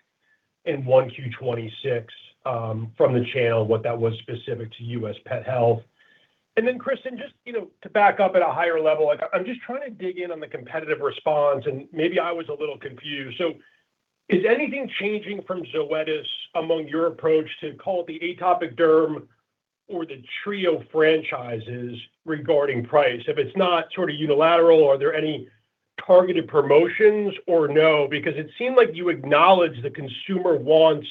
in 1Q 2026 from the channel, what that was specific to U.S. pet health? Kristin, just, you know, to back up at a higher level, like I'm just trying to dig in on the competitive response, and maybe I was a little confused. Is anything changing from Zoetis among your approach to call it the atopic derm or the Trio franchises regarding price? If it's not sort of unilateral, are there any targeted promotions or no? It seemed like you acknowledged the consumer wants.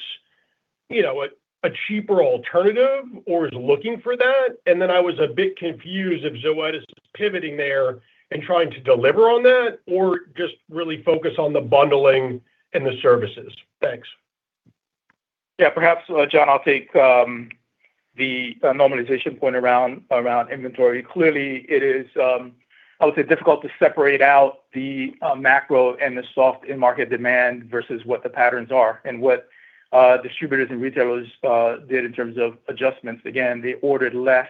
You know, a cheaper alternative or is looking for that? I was a bit confused if Zoetis is pivoting there and trying to deliver on that or just really focus on the bundling and the services. Thanks. Yeah. Perhaps, Jon, I'll take the normalization point around inventory. Clearly, it is, I would say, difficult to separate out the macro and the soft end market demand versus what the patterns are and what distributors and retailers did in terms of adjustments. Again, they ordered less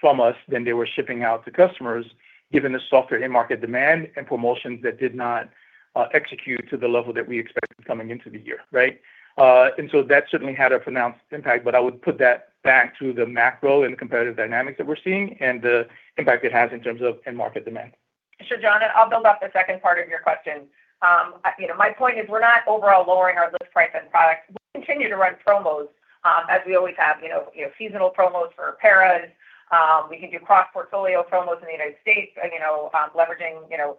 from us than they were shipping out to customers, given the softer end market demand and promotions that did not execute to the level that we expected coming into the year, right? That certainly had a pronounced impact, but I would put that back to the macro and competitive dynamics that we're seeing and the impact it has in terms of end market demand. Sure, Jon, I'll build off the second part of your question. You know, my point is we're not overall lowering our list price on products. We'll continue to run promos, as we always have, you know, seasonal promos for paras. We can do cross-portfolio promos in the U.S., you know, leveraging, you know,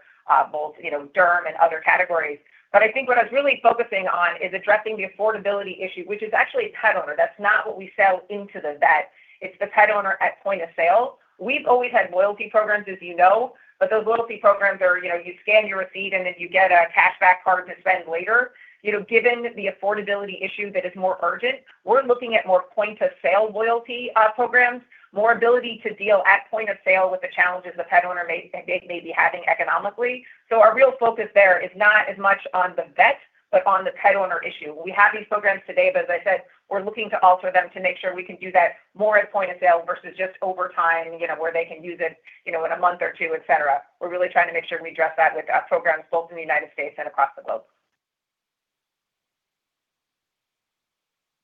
both, you know, derm and other categories. I think what I was really focusing on is addressing the affordability issue, which is actually a pet owner. That's not what we sell into the vet. It's the pet owner at point of sale. We've always had loyalty programs, as you know, those loyalty programs are, you know, you scan your receipt, then you get a cashback card to spend later. You know, given the affordability issue that is more urgent, we're looking at more point-of-sale loyalty programs, more ability to deal at point of sale with the challenges the pet owner may be having economically. Our real focus there is not as much on the vet, but on the pet owner issue. We have these programs today, but as I said, we're looking to alter them to make sure we can do that more at point of sale versus just over time, you know, where they can use it, you know, in a month or two, et cetera. We're really trying to make sure we address that with programs both in the United States and across the globe.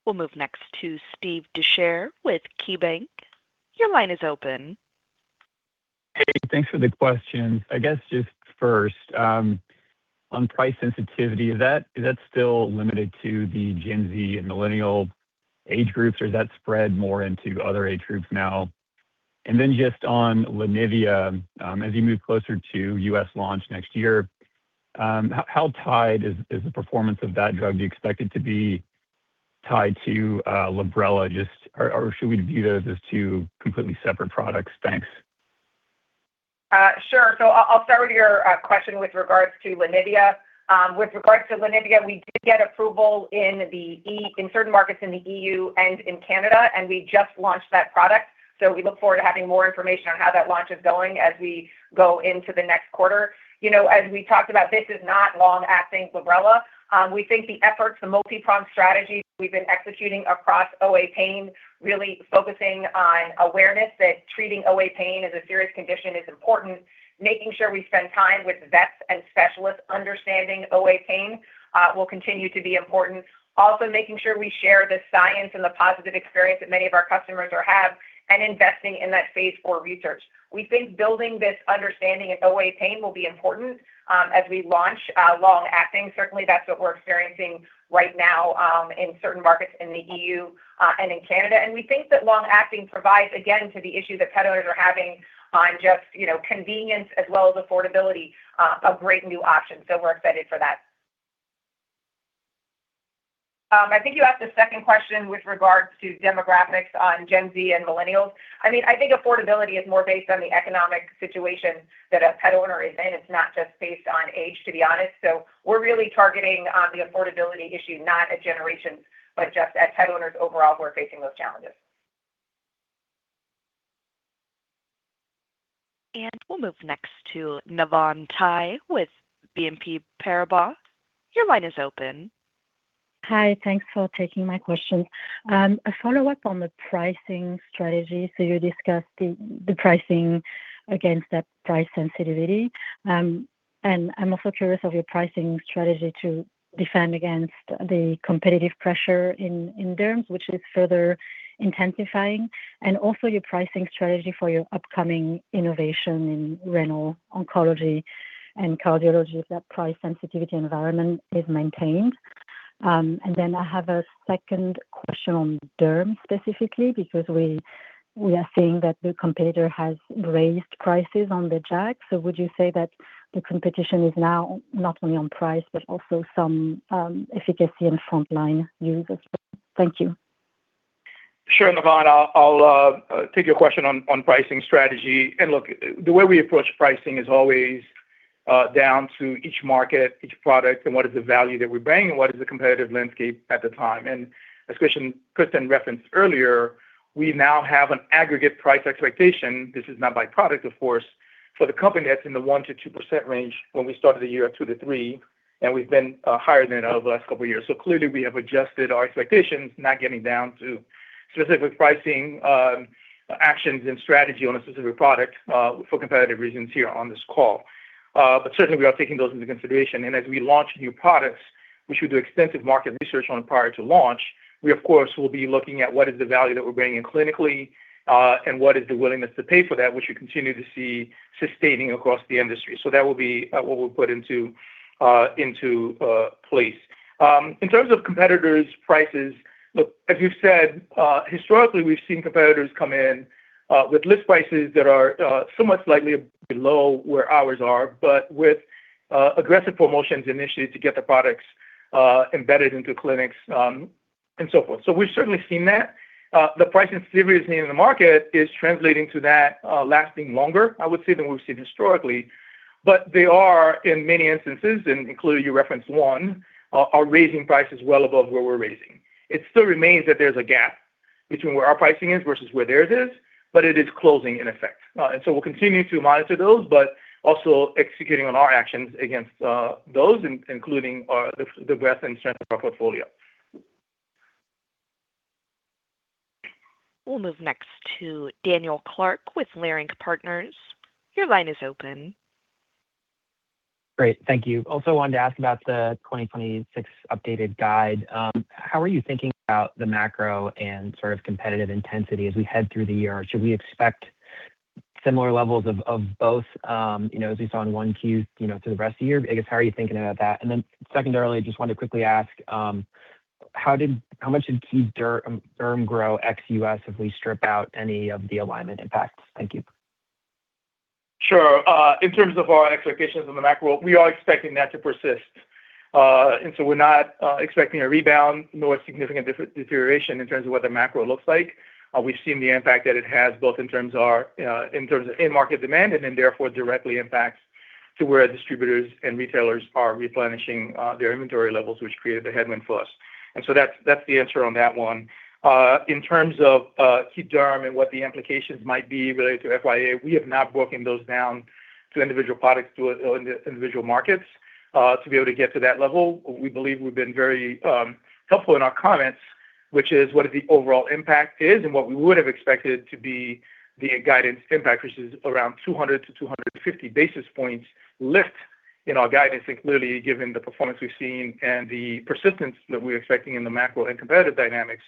We'll move next to Steve Dechert with KeyBanc. Your line is open. Hey, thanks for the question. I guess just first, on price sensitivity, is that still limited to the Gen Z and Millennial age groups? Or has that spread more into other age groups now? Then just on Lanivia, as you move closer to U.S. launch next year, how tied is the performance of that drug? Do you expect it to be tied to Librela? Or should we view those as two completely separate products? Thanks. Sure. I'll start with your question with regards to Lenivia. With regards to Lenivia, we did get approval in certain markets in the EU and in Canada, and we just launched that product. We look forward to having more information on how that launch is going as we go into the next quarter. You know, as we talked about, this is not long-acting Librela. We think the efforts, the multi-pronged strategies we've been executing across OA pain, really focusing on awareness that treating OA pain as a serious condition is important. Also, making sure we spend time with vets and specialists understanding OA pain will continue to be important. Making sure we share the science and the positive experience that many of our customers all have and investing in that phase IV research. We think building this understanding of OA pain will be important as we launch long-acting. Certainly, that's what we're experiencing right now in certain markets in the EU and in Canada. We think that long-acting provides, again, to the issue that pet owners are having on just, you know, convenience as well as affordability, a great new option. We're excited for that. I think you asked a second question with regards to demographics on Gen Z and Millennials. I mean, I think affordability is more based on the economic situation that a pet owner is in. It's not just based on age, to be honest. We're really targeting the affordability issue, not a generation, but just as pet owners overall who are facing those challenges. We'll move next to Navann Ty with BNP Paribas. Your line is open. Hi, thanks for taking my question. A follow-up on the pricing strategy. You discussed the pricing against that price sensitivity. I'm also curious of your pricing strategy to defend against the competitive pressure in derms, which is further intensifying, and also your pricing strategy for your upcoming innovation in renal oncology and cardiology if that price sensitivity environment is maintained. I have a second question on derms specifically, because we are seeing that the competitor has raised prices on the JAKi. Would you say that the competition is now not only on price, but also some efficacy and frontline use as well? Thank you. Sure, Navann. I'll take your question on pricing strategy. Look, the way we approach pricing is always down to each market, each product, and what is the value that we're bringing and what is the competitive landscape at the time. As Kristin referenced earlier, we now have an aggregate price expectation. This is not by product, of course. For the company, that's in the 1%-2% range when we started the year at 2%-3%, and we've been higher than that over the last couple of years. Clearly, we have adjusted our expectations, not getting down to specific pricing actions and strategy on a specific product for competitive reasons here on this call. Certainly, we are taking those into consideration. As we launch new products, which we do extensive market research on prior to launch, we of course will be looking at what is the value that we're bringing in clinically, and what is the willingness to pay for that, which we continue to see sustaining across the industry. That will be what we'll put into place. In terms of competitors' prices, look, as you've said, historically, we've seen competitors come in with list prices that are so much likely below where ours are, but aggressive promotions initiatives to get the products embedded into clinics, and so forth. We've certainly seen that. The pricing seriousness in the market is translating to that lasting longer, I would say, than we've seen historically. They are, in many instances, and including you referenced one, are raising prices well above where we're raising. It still remains that there's a gap between where our pricing is versus where theirs is, but it is closing in effect. We'll continue to monitor those, but also executing on our actions against those including our breadth and strength of our portfolio. We'll move next to Daniel Clark with Leerink Partners. Your line is open. Great. Thank you. Also wanted to ask about the 2026 updated guide. How are you thinking about the macro and sort of competitive intensity as we head through the year? Should we expect similar levels of both, you know, as we saw in 1Q, you know, through the rest of the year? I guess, how are you thinking about that? Secondarily, I just wanted to quickly ask, how much did key derm grow ex-U.S. if we strip out any of the alignment impacts? Thank you. Sure. In terms of our expectations on the macro, we are expecting that to persist. We're not expecting a rebound nor a significant deterioration in terms of what the macro looks like. We've seen the impact that it has, both in terms our in terms of in-market demand and then therefore directly impacts to where distributors and retailers are replenishing their inventory levels, which created the headwind for us. That's the answer on that one. In terms of key derm and what the implications might be related to FYA, we have not broken those down to individual products to individual markets. To be able to get to that level, we believe we've been very helpful in our comments, which is what is the overall impact is and what we would have expected to be the guidance impact, which is around 200-250 basis points lift in our guidance. Clearly, given the performance we've seen and the persistence that we're expecting in the macro and competitive dynamics,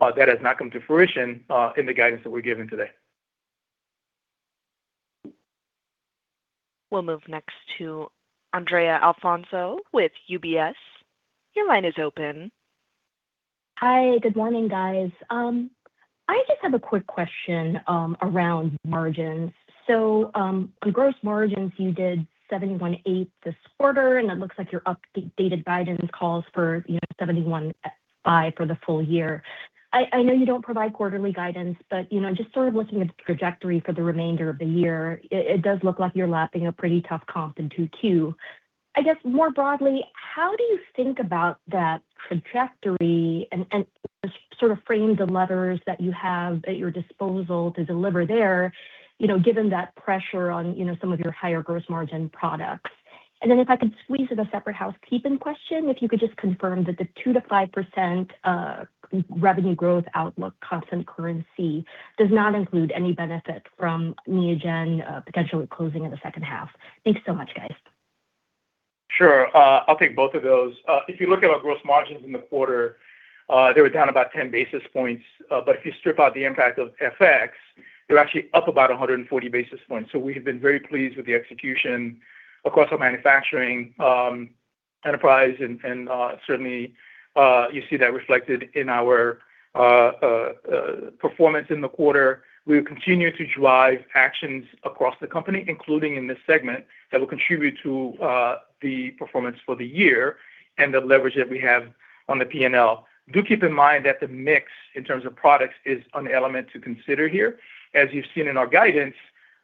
that has not come to fruition in the guidance that we've given today. We'll move next to Andrea Alfonso with UBS. Your line is open. Hi. Good morning, guys. I just have a quick question around margins. On gross margins, you did 71.8% this quarter, and it looks like your updated guidance calls for, you know, 71.5% for the full year. I know you don't provide quarterly guidance, you know, just sort of looking at the trajectory for the remainder of the year, it does look like you're lapping a pretty tough comp in 2Q. I guess more broadly, how do you think about that trajectory and sort of frame the levers that you have at your disposal to deliver there, you know, given that pressure on, you know, some of your higher gross margin products? If I could squeeze in a separate housekeeping question, if you could just confirm that the 2%-5% revenue growth outlook constant currency does not include any benefit from Neogen potentially closing in the second half. Thanks so much, guys. Sure. I'll take both of those. If you look at our gross margins in the quarter, they were down about 10 basis points. If you strip out the impact of FX, they're actually up about 140 basis points. We have been very pleased with the execution across our manufacturing enterprise and certainly, you see that reflected in our performance in the quarter. We will continue to drive actions across the company, including in this segment, that will contribute to the performance for the year and the leverage that we have on the P&L. Do keep in mind that the mix in terms of products is an element to consider here. As you've seen in our guidance,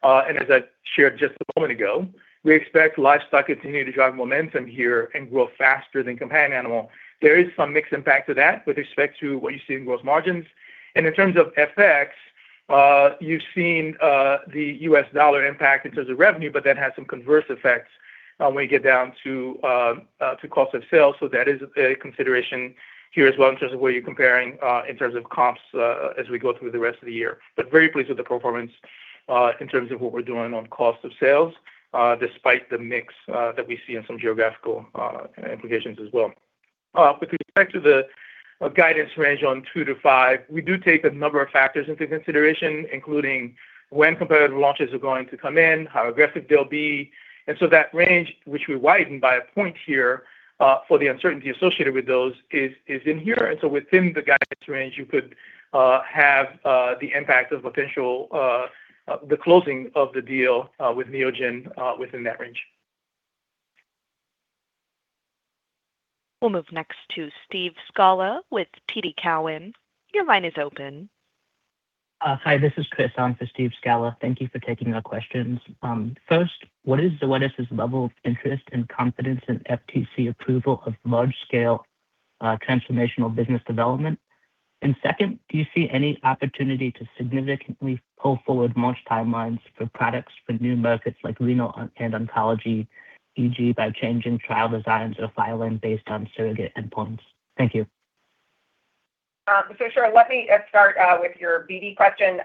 and as I shared just a moment ago, we expect livestock continue to drive momentum here and grow faster than companion animal. There is some mix impact to that with respect to what you see in gross margins. In terms of FX, you've seen the U.S. dollar impact in terms of revenue, but that has some converse effects when we get down to cost of sales. That is a consideration here as well in terms of where you're comparing, in terms of comps, as we go through the rest of the year. Very pleased with the performance, in terms of what we're doing on cost of sales, despite the mix that we see in some geographical implications as well. With respect to the guidance range on 2%-5%, we do take a number of factors into consideration, including when competitive launches are going to come in, how aggressive they'll be. That range, which we widened by 1 point here, for the uncertainty associated with those is in here. Within the guidance range, you could have the impact of potential the closing of the deal with Neogen within that range. We'll move next to Steve Scala with TD Cowen. Your line is open. Hi, this is Chris on for Steve Scala. Thank you for taking our questions. First, what is Zoetis' level of interest and confidence in FTC approval of large-scale, transformational business development? Second, do you see any opportunity to significantly pull forward launch timelines for products for new markets like renal and oncology, e.g., by changing trial designs or filing based on surrogate endpoints? Thank you. Sure. Let me start with your BD question.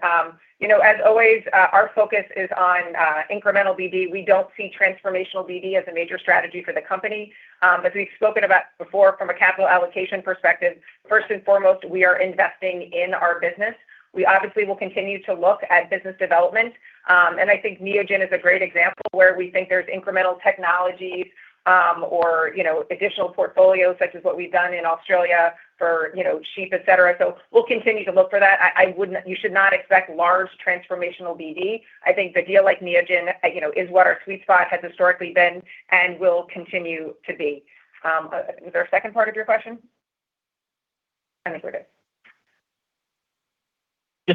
You know, as always, our focus is on incremental BD. We don't see transformational BD as a major strategy for the company. As we've spoken about before from a capital allocation perspective, first and foremost, we are investing in our business. We obviously will continue to look at business development. And I think Neogen is a great example where we think there's incremental technologies, or you know, additional portfolios such as what we've done in Australia for, you know, sheep, et cetera. We'll continue to look for that. You should not expect large transformational BD. I think the deal like Neogen, you know, is what our sweet spot has historically been and will continue to be. Was there a second part of your question? I think there is. Just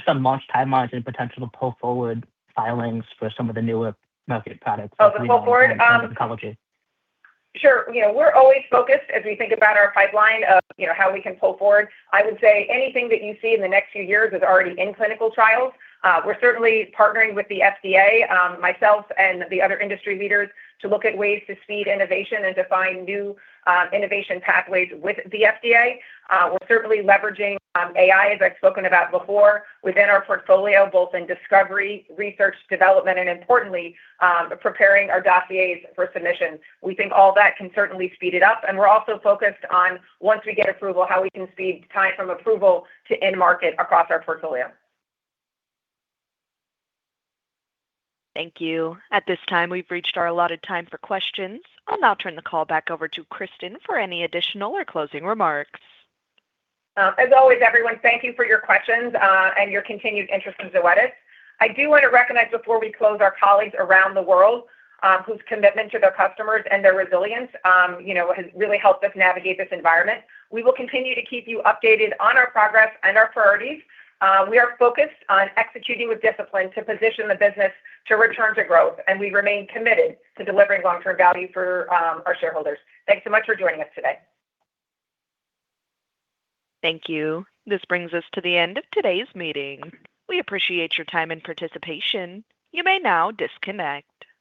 on launch timelines and potential to pull forward filings for some of the newer market products. Oh, to pull forward? For renal and oncology. Sure. You know, we're always focused as we think about our pipeline of, you know, how we can pull forward. I would say anything that you see in the next few years is already in clinical trials. We're certainly partnering with the FDA, myself and the other industry leaders to look at ways to speed innovation and define new innovation pathways with the FDA. We're certainly leveraging AI, as I've spoken about before, within our portfolio, both in discovery, research, development, and importantly, preparing our dossiers for submission. We think all that can certainly speed it up, and we're also focused on, once we get approval, how we can speed time from approval to end market across our portfolio. Thank you. At this time, we've reached our allotted time for questions. I will now turn the call back over to Kristin for any additional or closing remarks. As always, everyone, thank you for your questions and your continued interest in Zoetis. I do want to recognize before we close our colleagues around the world, whose commitment to their customers and their resilience, you know, has really helped us navigate this environment. We will continue to keep you updated on our progress and our priorities. We are focused on executing with discipline to position the business to return to growth, and we remain committed to delivering long-term value for our shareholders. Thanks so much for joining us today. Thank you. This brings us to the end of today's meeting. We appreciate your time and participation. You may now disconnect.